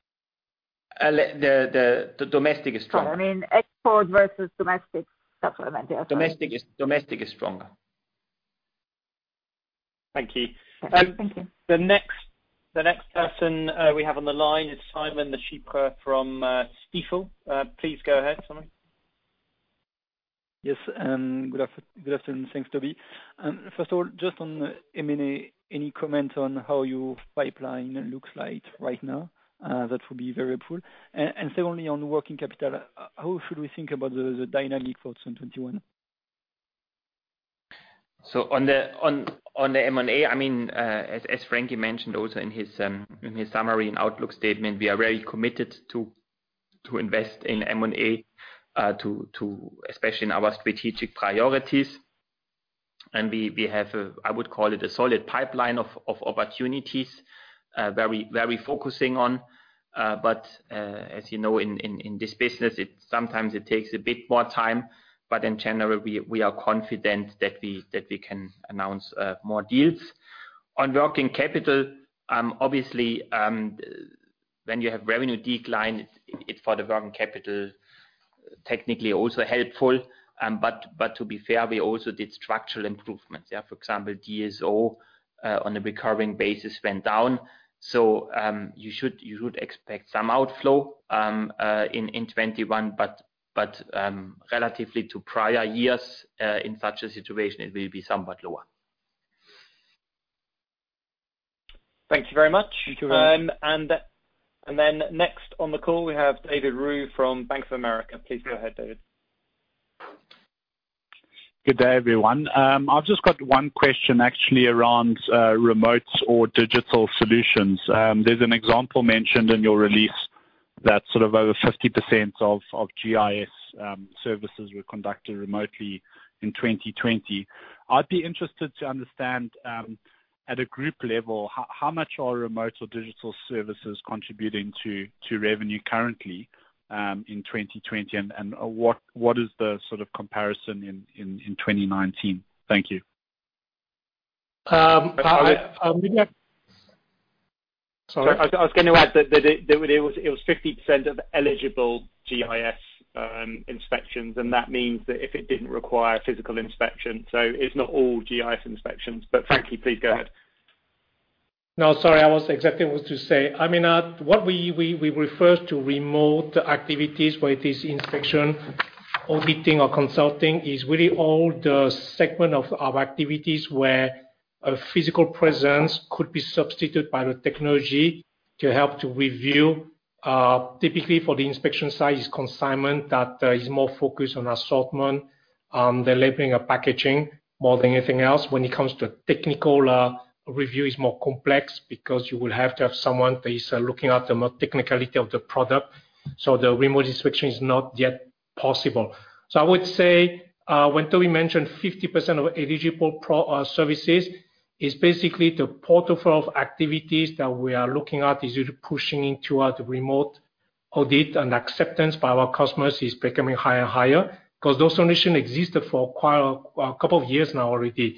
The domestic is stronger. Sorry. I mean export versus domestic supplement. Yeah, sorry. Domestic is stronger. Thank you. Okay. Thank you. The next person we have on the line is Simon from Stifel. Please go ahead, Simon. Yes. Good afternoon. Thanks, Toby. First of all, just on M&A, any comment on how your pipeline looks like right now? That would be very cool. Secondly, on working capital, how should we think about the dynamic for 2021? On the M&A, as Frankie mentioned also in his summary and outlook statement, we are very committed to invest in M&A, especially in our strategic priorities. We have, I would call it a solid pipeline of opportunities where we're focusing on. As you know, in this business, sometimes it takes a bit more time, but in general, we are confident that we can announce more deals. On working capital, obviously, when you have revenue decline, it's for the working capital, technically also helpful. To be fair, we also did structural improvements. For example, DSO on a recurring basis went down. You should expect some outflow in 2021, but relatively to prior years, in such a situation, it will be somewhat lower. Thank you very much. Thank you very much. Next on the call, we have David Roux from Bank of America. Please go ahead, David. Good day, everyone. I've just got one question actually around remotes or digital solutions. There's an example mentioned in your release that sort of over 50% of GIS services were conducted remotely in 2020. I'd be interested to understand, at a group level, how much are remote or digital services contributing to revenue currently in 2020, and what is the sort of comparison in 2019? Thank you Sorry, I was going to add that it was 50% of eligible GIS inspections, and that means that if it didn't require physical inspection, so it's not all GIS inspections. Frankie, please go ahead. No, sorry, I was exactly what to say. What we refer to remote activities, whether it is inspection, auditing, or consulting, is really all the segment of our activities where a physical presence could be substituted by the technology to help to review. Typically, for the inspection side is consignment that is more focused on assortment, the labeling of packaging more than anything else. When it comes to technical review is more complex because you will have to have someone that is looking at the technicality of the product, so the remote inspection is not yet possible. I would say, when Toby mentioned 50% of eligible services is basically the portfolio of activities that we are looking at is really pushing into our remote audit and acceptance by our customers is becoming higher and higher. Those solutions existed for a couple of years now already.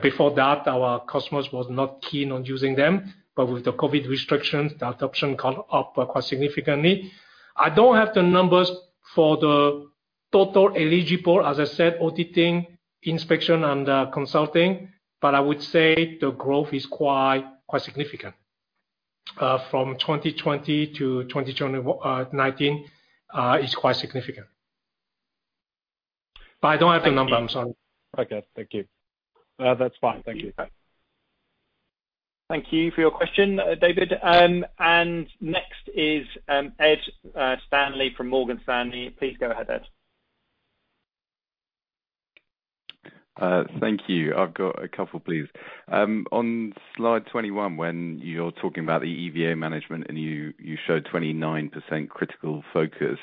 Before that, our customers was not keen on using them. With the COVID restrictions, the adoption gone up quite significantly. I don't have the numbers for the total eligible, as I said, auditing, inspection, and consulting, but I would say the growth is quite significant. From 2020- 2019 is quite significant. I don't have the number, I'm sorry. Okay, thank you. That's fine. Thank you. Okay. Thank you for your question, David. Next is Ed Stanley from Morgan Stanley. Please go ahead, Ed. Thank you. I've got a couple, please. On slide 21, when you're talking about the EVA management and you showed 29% critical focus.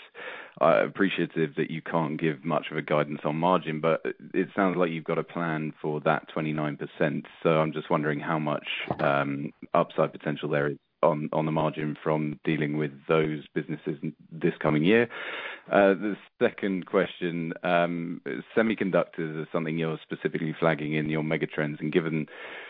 I appreciate that you can't give much of a guidance on margin. It sounds like you've got a plan for that 29%. I'm just wondering how much. Yeah Upside potential there is on the margin from dealing with those businesses this coming year. The second question, semiconductors is something you are specifically flagging in your mega trends and given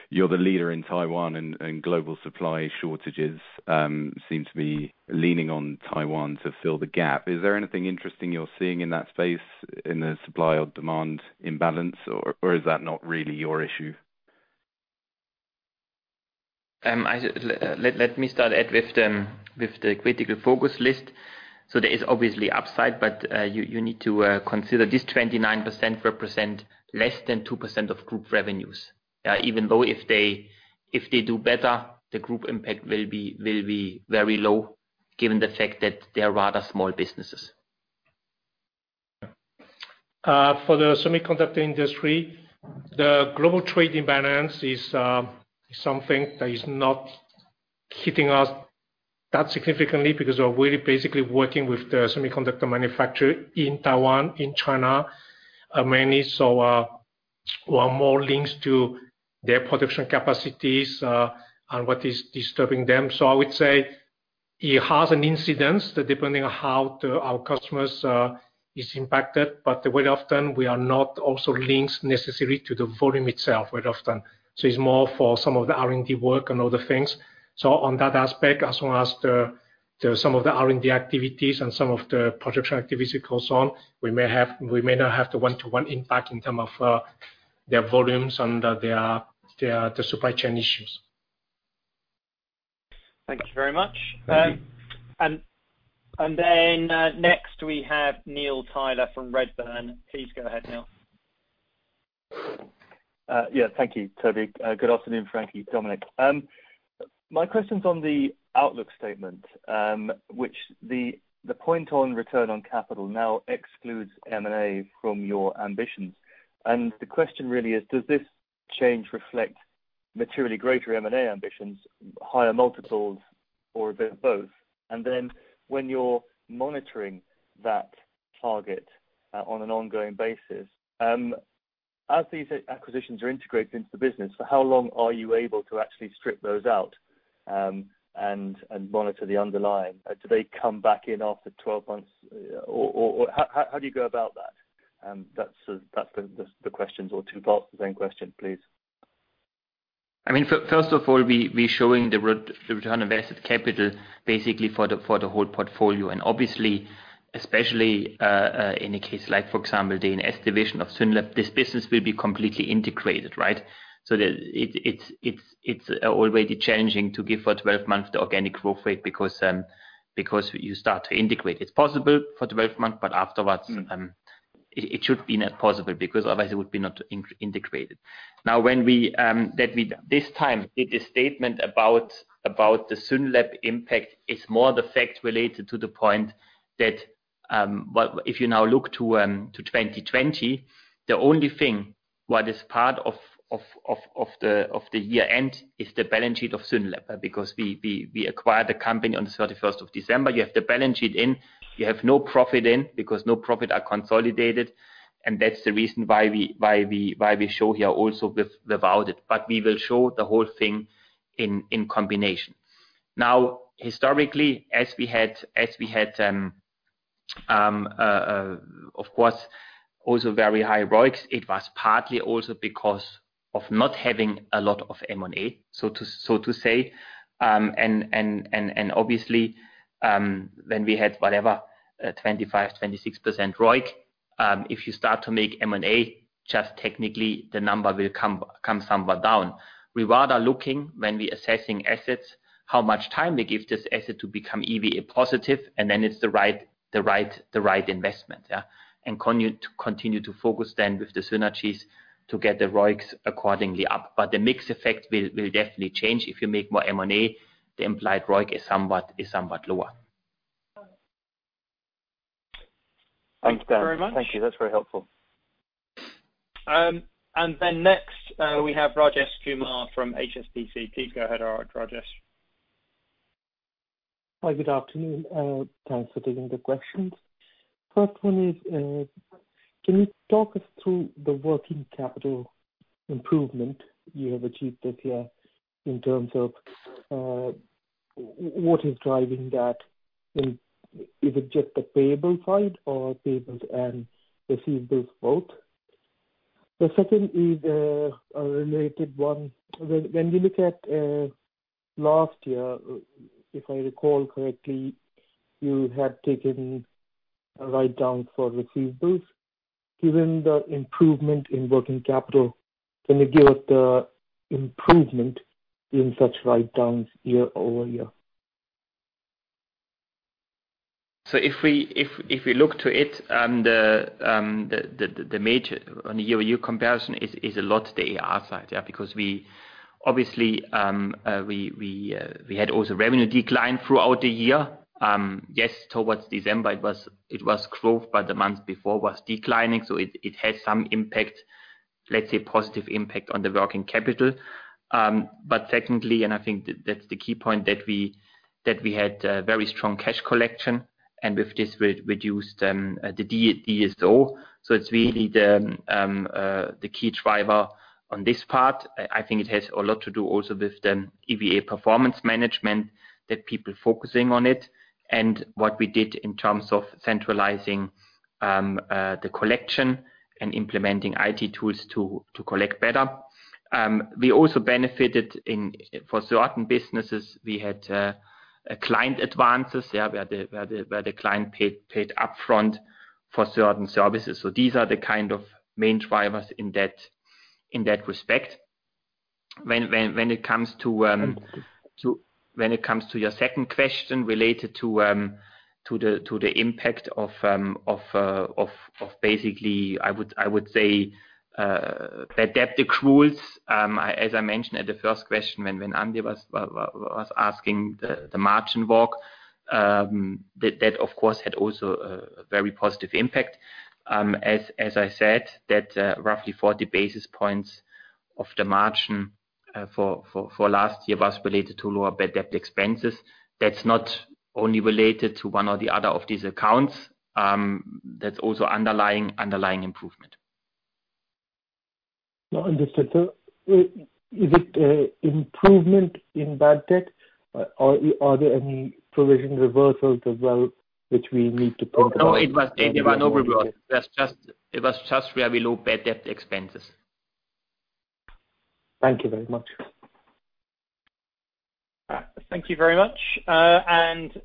you are the leader in Taiwan and global supply shortages seem to be leaning on Taiwan to fill the gap. Is there anything interesting you are seeing in that space in the supply or demand imbalance, or is that not really your issue? Let me start, Ed, with the critical focus list. There is obviously upside, but you need to consider this 29% represent less than 2% of group revenues. Even though if they do better, the group impact will be very low given the fact that they are rather small businesses. For the semiconductor industry, the global trade imbalance is something that is not hitting us that significantly because we're really basically working with the semiconductor manufacturer in Taiwan, in China, mainly are more links to their production capacities, and what is disturbing them. I would say it has an incidence, depending on how our customers is impacted, but very often we are not also linked necessary to the volume itself very often. It's more for some of the R&D work and other things. On that aspect, as well as some of the R&D activities and some of the production activity goes on, we may not have the one-to-one impact in term of their volumes and the supply chain issues. Thank you very much. Thank you. Next we have Neil Tyler from Redburn. Please go ahead, Neil. Yeah. Thank you, Toby. Good afternoon, Frankie, Dominik. My question's on the outlook statement, which the point on return on capital now excludes M&A from your ambitions. The question really is, does this change reflect materially greater M&A ambitions, higher multiples, or a bit of both? When you're monitoring that target on an ongoing basis, as these acquisitions are integrated into the business, for how long are you able to actually strip those out, and monitor the underlying? Do they come back in after 12 months? How do you go about that? That's the questions or two parts of the same question, please. First of all, we showing the return on invested capital basically for the whole portfolio. Obviously, especially, in a case like for example, the A&S division of SYNLAB, this business will be completely integrated, right? It's already challenging to give for 12 months the organic growth rate because you start to integrate. It's possible for 12 months, but afterwards, it should be not possible because otherwise it would be not integrated. When this time, did a statement about the SYNLAB impact is more the fact related to the point that, if you now look to 2020, the only thing what is part of the year-end is the balance sheet of SYNLAB, because we acquired the company on the 31st of December. You have the balance sheet in, you have no profit in because no profit are consolidated, and that's the reason why we show here also without it. We will show the whole thing in combination. Historically, as we had, of course, also very high ROIC. It was partly also because of not having a lot of M&A, so to say. Obviously, when we had whatever, 25%, 26% ROIC, if you start to make M&A, just technically the number will come somewhat down. We rather looking when we assessing assets how much time they give this asset to become EVA positive, and then it's the right investment, yeah. Continue to focus then with the synergies to get the ROICs accordingly up. The mix effect will definitely change. If you make more M&A, the implied ROIC is somewhat lower. Thanks very much. Thank you. That's very helpful. Then next, we have Rajesh Kumar from HSBC. Please go ahead, Rajesh. Hi, good afternoon. Thanks for taking the questions. First one is, can you talk us through the working capital improvement you have achieved this year in terms of what is driving that, and is it just the payable side or payables and receivables both? The second is a related one. When we look at last year, if I recall correctly, you had taken a write-down for receivables. Given the improvement in working capital, can you give us the improvement in such write-downs year-over-year? If we look to it, the major on a year-over-year comparison is a lot the AR side. Obviously, we had also revenue decline throughout the year. Yes, towards December it was growth, but the month before was declining. It had some impact, let's say positive impact on the working capital. Secondly, and I think that's the key point that we had very strong cash collection, and with this we reduced the DSO. It's really the key driver on this part. I think it has a lot to do also with the EVA performance management that people focusing on it. What we did in terms of centralizing the collection and implementing IT tools to collect better. We also benefited in, for certain businesses, we had client advances, yeah. Where the client paid upfront for certain services. These are the kind of main drivers in that respect. When it comes to your second question related to the impact of basically, I would say, bad debt accruals, as I mentioned at the first question when Andy was asking the margin walk, that of course had also a very positive impact. As I said, that roughly 40 basis points of the margin for last year was related to lower bad debt expenses. That's not only related to one or the other of these accounts. That's also underlying improvement. Understood, sir. Is it improvement in bad debt or are there any provision reversals as well, which we need to talk about? No, there were no reversals. It was just very low bad debt expenses. Thank you very much. Thank you very much.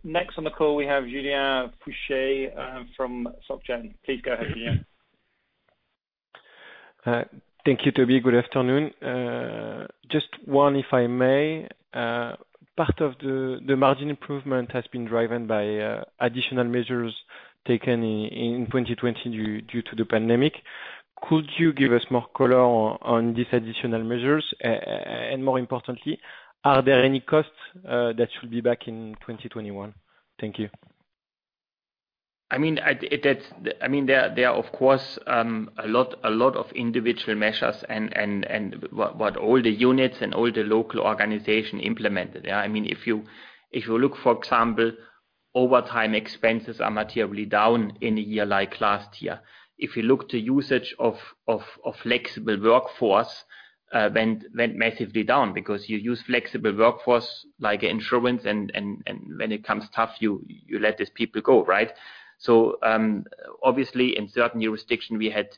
Next on the call we have Julien Fouché from SocGen. Please go ahead, Julien. Thank you, Toby. Good afternoon. Just one, if I may. Part of the margin improvement has been driven by additional measures taken in 2020 due to the pandemic. Could you give us more color on these additional measures? More importantly, are there any costs that should be back in 2021? Thank you. There are, of course, a lot of individual measures and what all the units and all the local organization implemented, yeah. If you look, for example, overtime expenses are materially down in a year like last year. If you look to usage of flexible workforce went massively down because you use flexible workforce like insurance and when it comes tough, you let these people go, right? Obviously in certain jurisdiction we had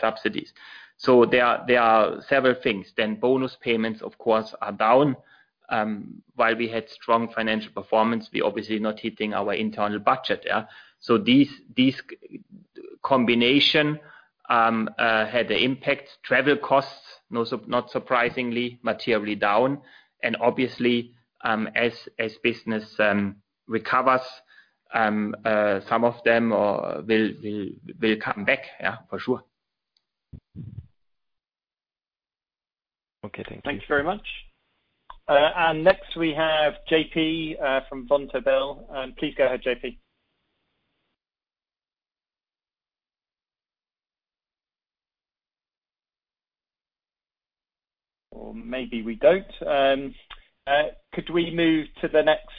subsidies. There are several things. Bonus payments of course, are down. While we had strong financial performance, we obviously not hitting our internal budget, yeah. These combination had the impact. Travel costs, not surprisingly, materially down. Obviously, as business recovers, some of them will come back, yeah, for sure. Okay, thank you. Thanks very much. Next we have JP from Vontobel. Please go ahead, JP. Maybe we don't. Could we move to the next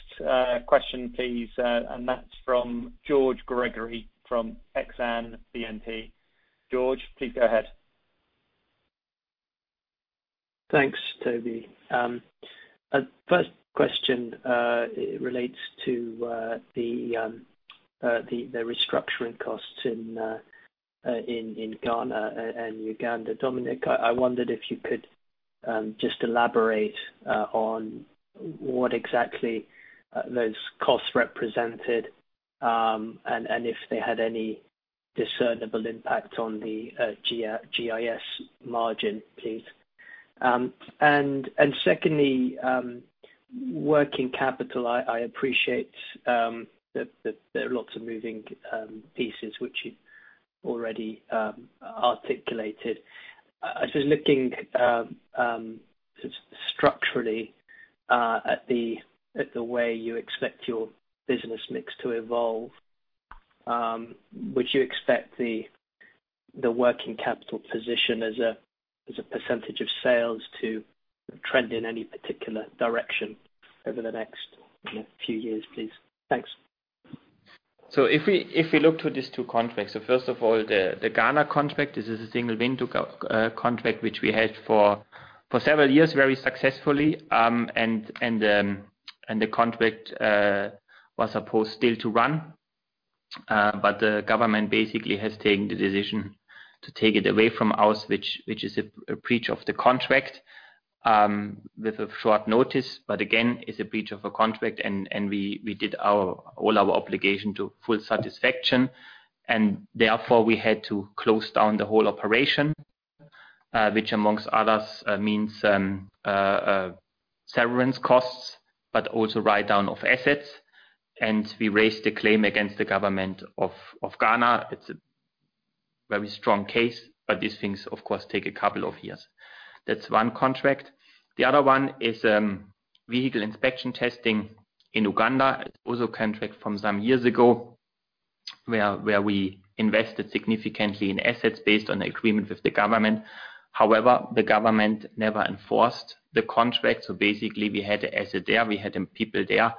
question, please? That's from George Gregory from Exane BNP. George, please go ahead. Thanks, Toby. First question relates to the restructuring costs in Ghana and Uganda. Dominik, I wondered if you could just elaborate on what exactly those costs represented, and if they had any discernible impact on the GIS margin, please. Secondly, working capital, I appreciate that there are lots of moving pieces which you already articulated. Looking structurally at the way you expect your business mix to evolve, would you expect the working capital position as a percentage of sales to trend in any particular direction over the next few years, please? Thanks. If we look to these two contracts, first of all, the Ghana contract, this is a single window contract which we had for several years, very successfully. The contract was supposed still to run, but the government basically has taken the decision to take it away from us, which is a breach of the contract with a short notice. Again, it's a breach of a contract, and we did all our obligation to full satisfaction, and therefore we had to close down the whole operation, which amongst others, means severance costs, but also write-down of assets. We raised a claim against the government of Ghana. It's a very strong case, but these things, of course, take a couple of years. That's one contract. The other one is vehicle inspection testing in Uganda. A contract from some years ago, where we invested significantly in assets based on the agreement with the government. The government never enforced the contract, so basically we had the asset there, we had the people there,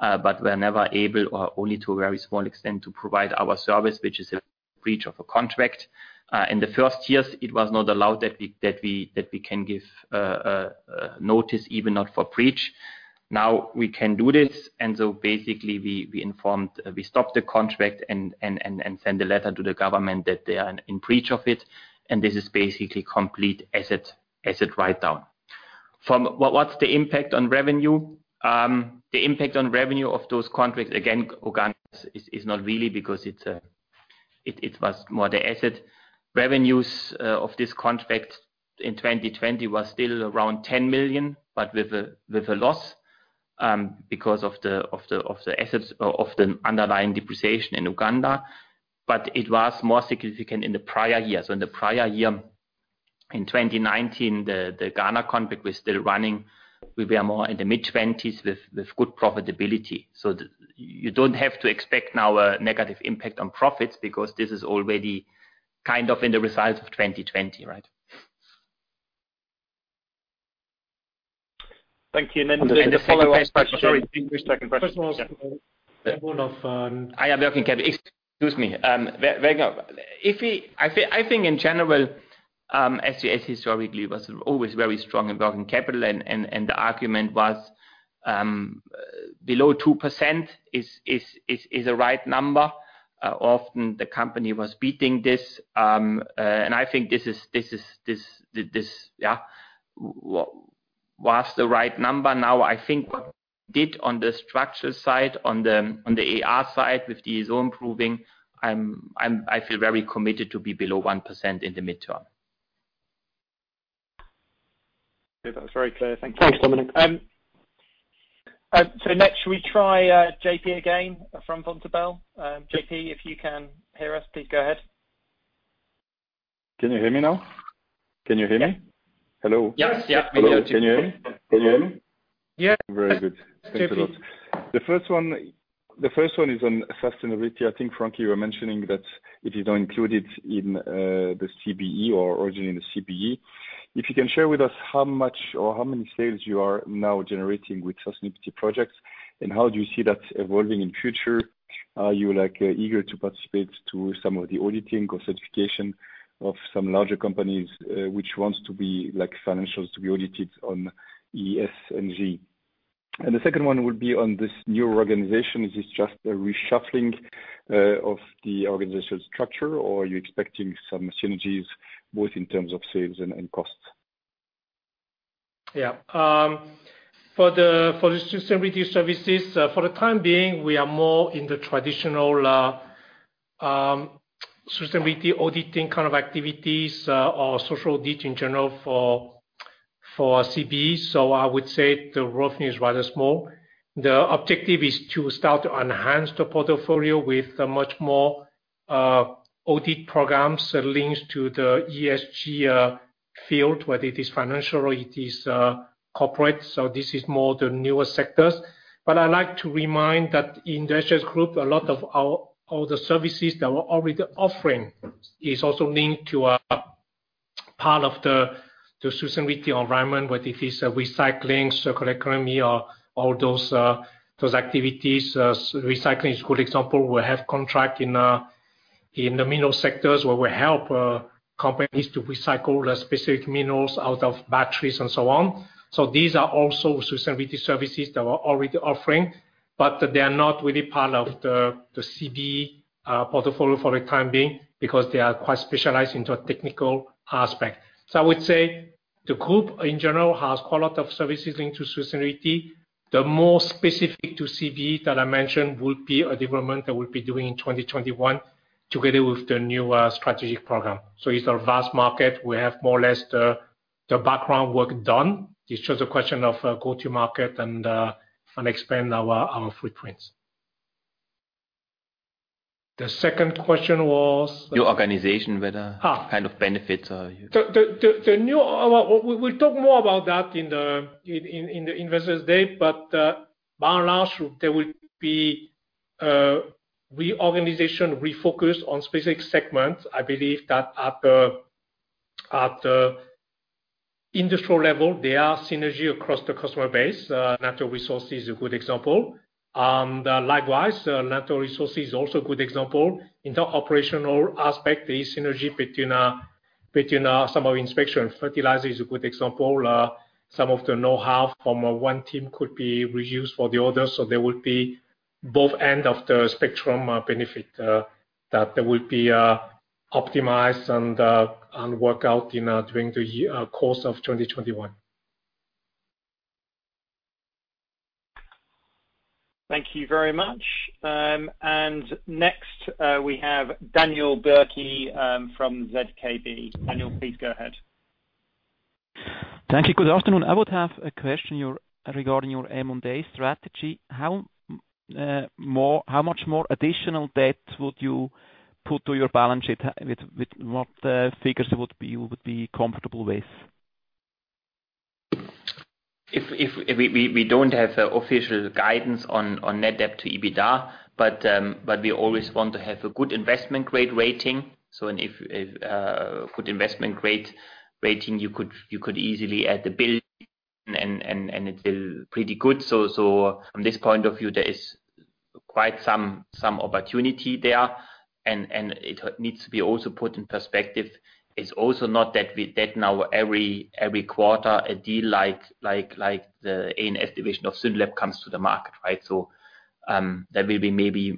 but were never able or only to a very small extent to provide our service, which is a breach of a contract. In the first years, it was not allowed that we can give notice even not for breach. Now we can do this. Basically, we stopped the contract and send a letter to the government that they are in breach of it. This is basically complete asset write-down. What's the impact on revenue? The impact on revenue of those contracts, again, Uganda is not really because it was more the asset. Revenues of this contract in 2020 was still around 10 million, but with a loss, because of the assets, of the underlying depreciation in Uganda, but it was more significant in the prior years. In the prior year, in 2019, the Ghana contract was still running. We were more in the mid-20s with good profitability. You don't have to expect now a negative impact on profits because this is already kind of in the results of 2020, right? Thank you. The second question. Sorry, your second question. First of all, one of. Excuse me. I think in general, SGS historically was always very strong in working capital and the argument was below 2% is the right number. Often the company was beating this, and I think this was the right number. Now, I think what we did on the structural side, on the AR side with DSO improving, I feel very committed to be below 1% in the midterm. Good. That was very clear. Thank you. Thanks, Dominik. Next, should we try JP again from Vontobel? JP, if you can hear us, please go ahead. Can you hear me now? Can you hear me? Hello? Yes. Hello. Can you hear me? Yeah. Very good. Thanks, JP. Thanks a lot. The first one is on sustainability. I think, Frank, you were mentioning that it is now included in the CBE or originally in the CBE. If you can share with us how much or how many sales you are now generating with sustainability projects, and how do you see that evolving in future? Are you eager to participate to some of the auditing or certification of some larger companies, which wants to be financials to be audited on E, S, and G? The second one would be on this new organization. Is this just a reshuffling of the organizational structure, or are you expecting some synergies, both in terms of sales and costs? For the sustainability services, for the time being, we are more in the traditional sustainability auditing kind of activities or social audit in general for CBE. I would say the revenue is rather small. The objective is to start to enhance the portfolio with much more audit programs that links to the ESG field, whether it is financial or it is corporate. This is more the newer sectors. I like to remind that in the SGS group, a lot of the services that we're already offering is also linked to part of the sustainability environment, whether it is recycling, circular economy or all those activities. Recycling is a good example. We have contract in the mineral sectors where we help companies to recycle the specific minerals out of batteries and so on. These are also sustainability services that we're already offering, but they are not really part of the CBE portfolio for the time being because they are quite specialized into a technical aspect. I would say the group in general has quite a lot of services into sustainability. The more specific to CBE that I mentioned will be a development that we'll be doing in 2021 together with the new strategic program. It's a vast market. We have more or less the background work done. It's just a question of go to market and expand our footprints. The second question was? Your organization. Kind of benefits are you- We'll talk more about that in the investors day, but by and large, there will be reorganization, refocus on specific segments. I believe that at the industrial level, there are synergy across the customer base. Natural Resources is a good example. Likewise, Natural Resources is also a good example. In the operational aspect, there is synergy between some of inspection. Fertilizer is a good example. Some of the know-how from one team could be reused for the other. There will be both end of the spectrum benefit that will be optimized and work out during the course of 2021. Thank you very much. Next we have Daniel Bürki from ZKB. Daniel, please go ahead. Thank you. Good afternoon. I would have a question regarding your M&A strategy. How much more additional debt would you put to your balance sheet? What figures would you be comfortable with? We don't have official guidance on net debt to EBITDA. We always want to have a good investment grade rating. If a good investment grade rating, you could easily add the building and it is pretty good. From this point of view, there is quite some opportunity there and it needs to be also put in perspective. It's also not that we debt now every quarter a deal like the A&S division of SYNLAB comes to the market, right? There will be maybe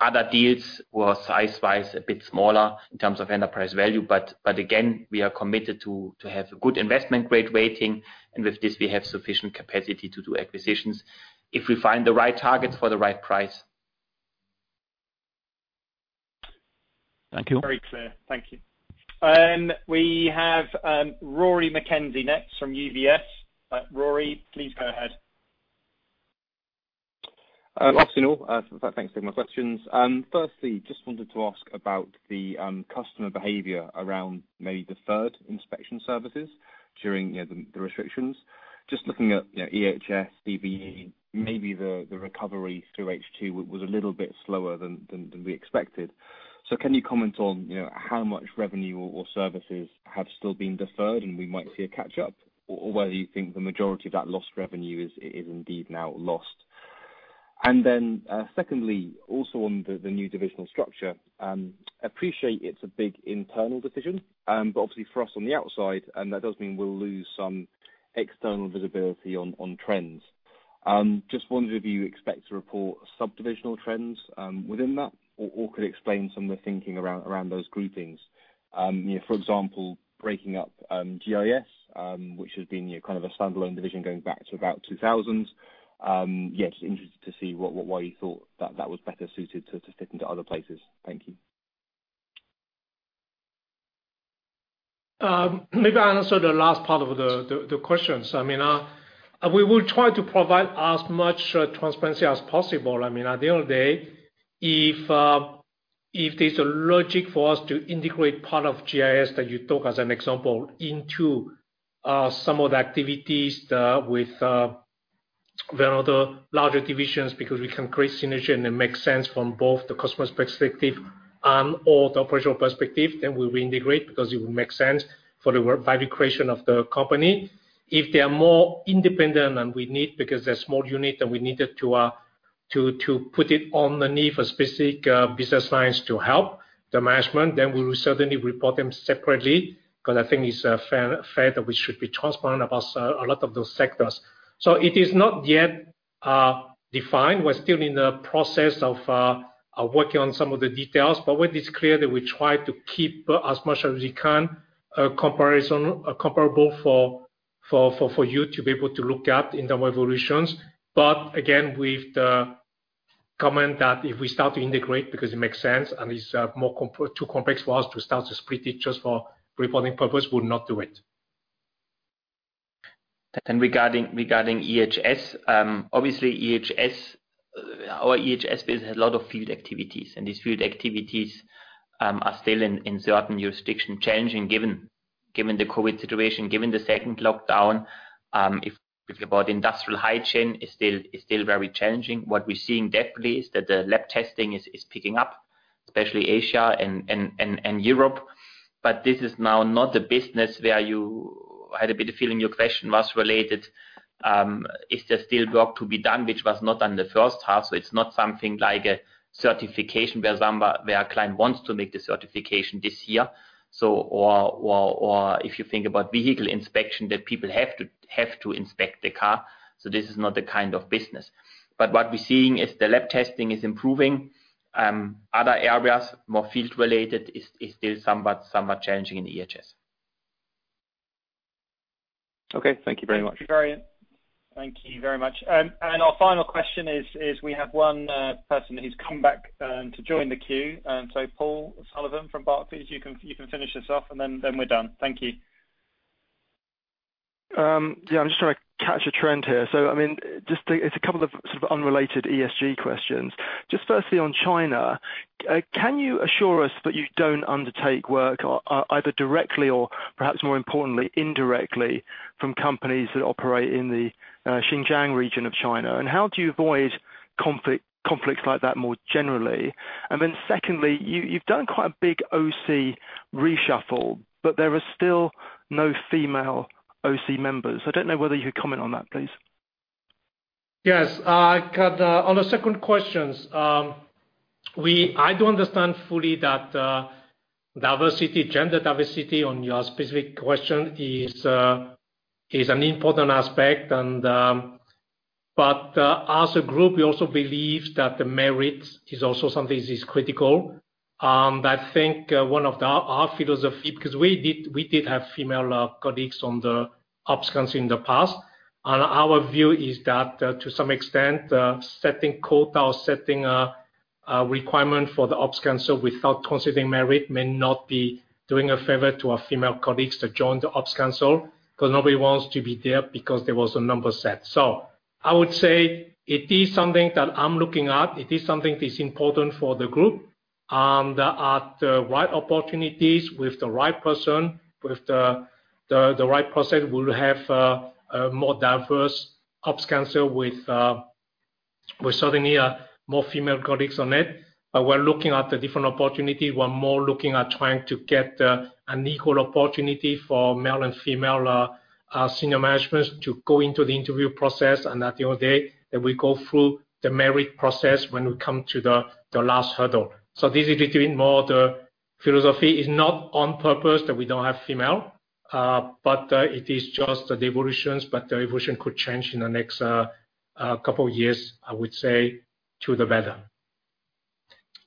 other deals who are size-wise a bit smaller in terms of enterprise value. Again, we are committed to have a good investment grade rating, and with this we have sufficient capacity to do acquisitions if we find the right targets for the right price. Thank you. Very clear. Thank you. We have Rory McKenzie next from UBS. Rory, please go ahead. Afternoon. Thanks for taking my questions. Firstly, just wanted to ask about the customer behavior around maybe deferred inspection services during the restrictions. Just looking at EHS, CBE, maybe the recovery through H2 was a little bit slower than we expected. Can you comment on how much revenue or services have still been deferred and we might see a catch up, or whether you think the majority of that lost revenue is indeed now lost? Secondly, also on the new divisional structure. Appreciate it's a big internal decision, but obviously for us on the outside, and that does mean we'll lose some external visibility on trends. Just wondering if you expect to report sub-divisional trends within that or could explain some of the thinking around those groupings. For example, breaking up GIS which has been kind of a standalone division going back to about 2000. Yeah, just interested to see why you thought that was better suited to fit into other places. Thank you. Maybe I answer the last part of the questions. We will try to provide as much transparency as possible. At the end of the day, if there's a logic for us to integrate part of GIS that you took as an example into some of the activities with one of the larger divisions because we can create synergy and it makes sense from both the customer's perspective and/or the operational perspective, then we will integrate because it will make sense for the value creation of the company. If they are more independent than we need because they're small unit and we needed to put it underneath a specific business lines to help the management, then we will certainly report them separately. I think it's fair that we should be transparent about a lot of those sectors. It is not yet defined. We're still in the process of working on some of the details, but what is clear that we try to keep as much as we can comparable for you to be able to look at in the evolutions. Again, with the comment that if we start to integrate because it makes sense and it's too complex for us to start to split it just for reporting purpose, we'll not do it. Regarding EHS. Obviously our EHS business has a lot of field activities, and these field activities are still in certain jurisdiction challenging given the COVID situation, given the second lockdown. If you're about industrial hygiene, it's still very challenging. What we're seeing definitely is that the lab testing is picking up, especially Asia and Europe. This is now not a business where I had a bit of feeling your question was related, is there still work to be done which was not done in the first half? It's not something like a certification where a client wants to make the certification this year. If you think about vehicle inspection, that people have to inspect the car. This is not the kind of business. What we're seeing is the lab testing is improving. Other areas, more field-related is still somewhat challenging in the EHS. Okay. Thank you very much. Thank you. Thank you very much. Our final question is, we have one person who's come back to join the queue. Paul Sullivan from Barclays, you can finish this off and then we're done. Thank you. Yeah, I'm just trying to catch a trend here. It's a couple of sort of unrelated ESG questions. Just firstly, on China, can you assure us that you don't undertake work either directly or perhaps more importantly, indirectly from companies that operate in the Xinjiang region of China? How do you avoid conflicts like that more generally? Secondly, you've done quite a big OC reshuffle, but there are still no female OC members. I don't know whether you could comment on that, please. Yes. On the second questions, I do understand fully that diversity, gender diversity on your specific question is an important aspect. As a group, we also believe that the merit is also something that is critical. I think one of our philosophy, because we did have female colleagues on the ops council in the past, and our view is that to some extent, setting quota or setting a requirement for the ops council without considering merit may not be doing a favor to our female colleagues to join the ops council, because nobody wants to be there because there was a number set. I would say it is something that I'm looking at. It is something that is important for the group. There are the right opportunities with the right person, with the right process, we'll have a more diverse Operations Council with certainly more female colleagues on it. We're looking at the different opportunity. We're more looking at trying to get an equal opportunity for male and female senior management to go into the interview process and at the end of the day, that we go through the merit process when we come to the last hurdle. This is between more the philosophy. It's not on purpose that we don't have female, but it is just the evolutions, but the evolution could change in the next couple of years, I would say, to the better.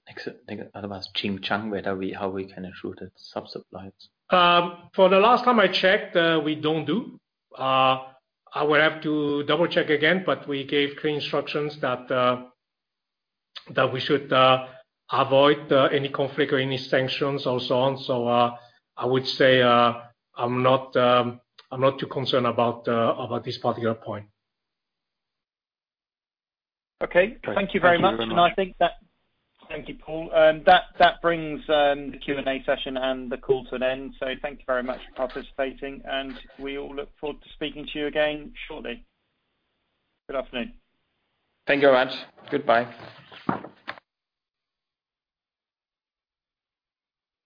Except Xinjiang, how we can ensure that sub-suppliers? For the last time I checked, we don't do. I would have to double-check again, but we gave clear instructions that we should avoid any conflict or any sanctions or so on. I would say I'm not too concerned about this particular point. Okay. Thank you very much. Thank you very much. I think that. Thank you, Paul. That brings the Q&A session and the call to an end. Thank you very much for participating, and we all look forward to speaking to you again shortly. Good afternoon. Thank you very much. Goodbye.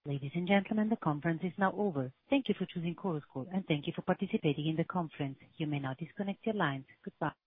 Ladies and gentlemen, the conference is now over. Thank you for choosing Chorus Call, and thank you for participating in the conference. You may now disconnect your lines. Goodbye.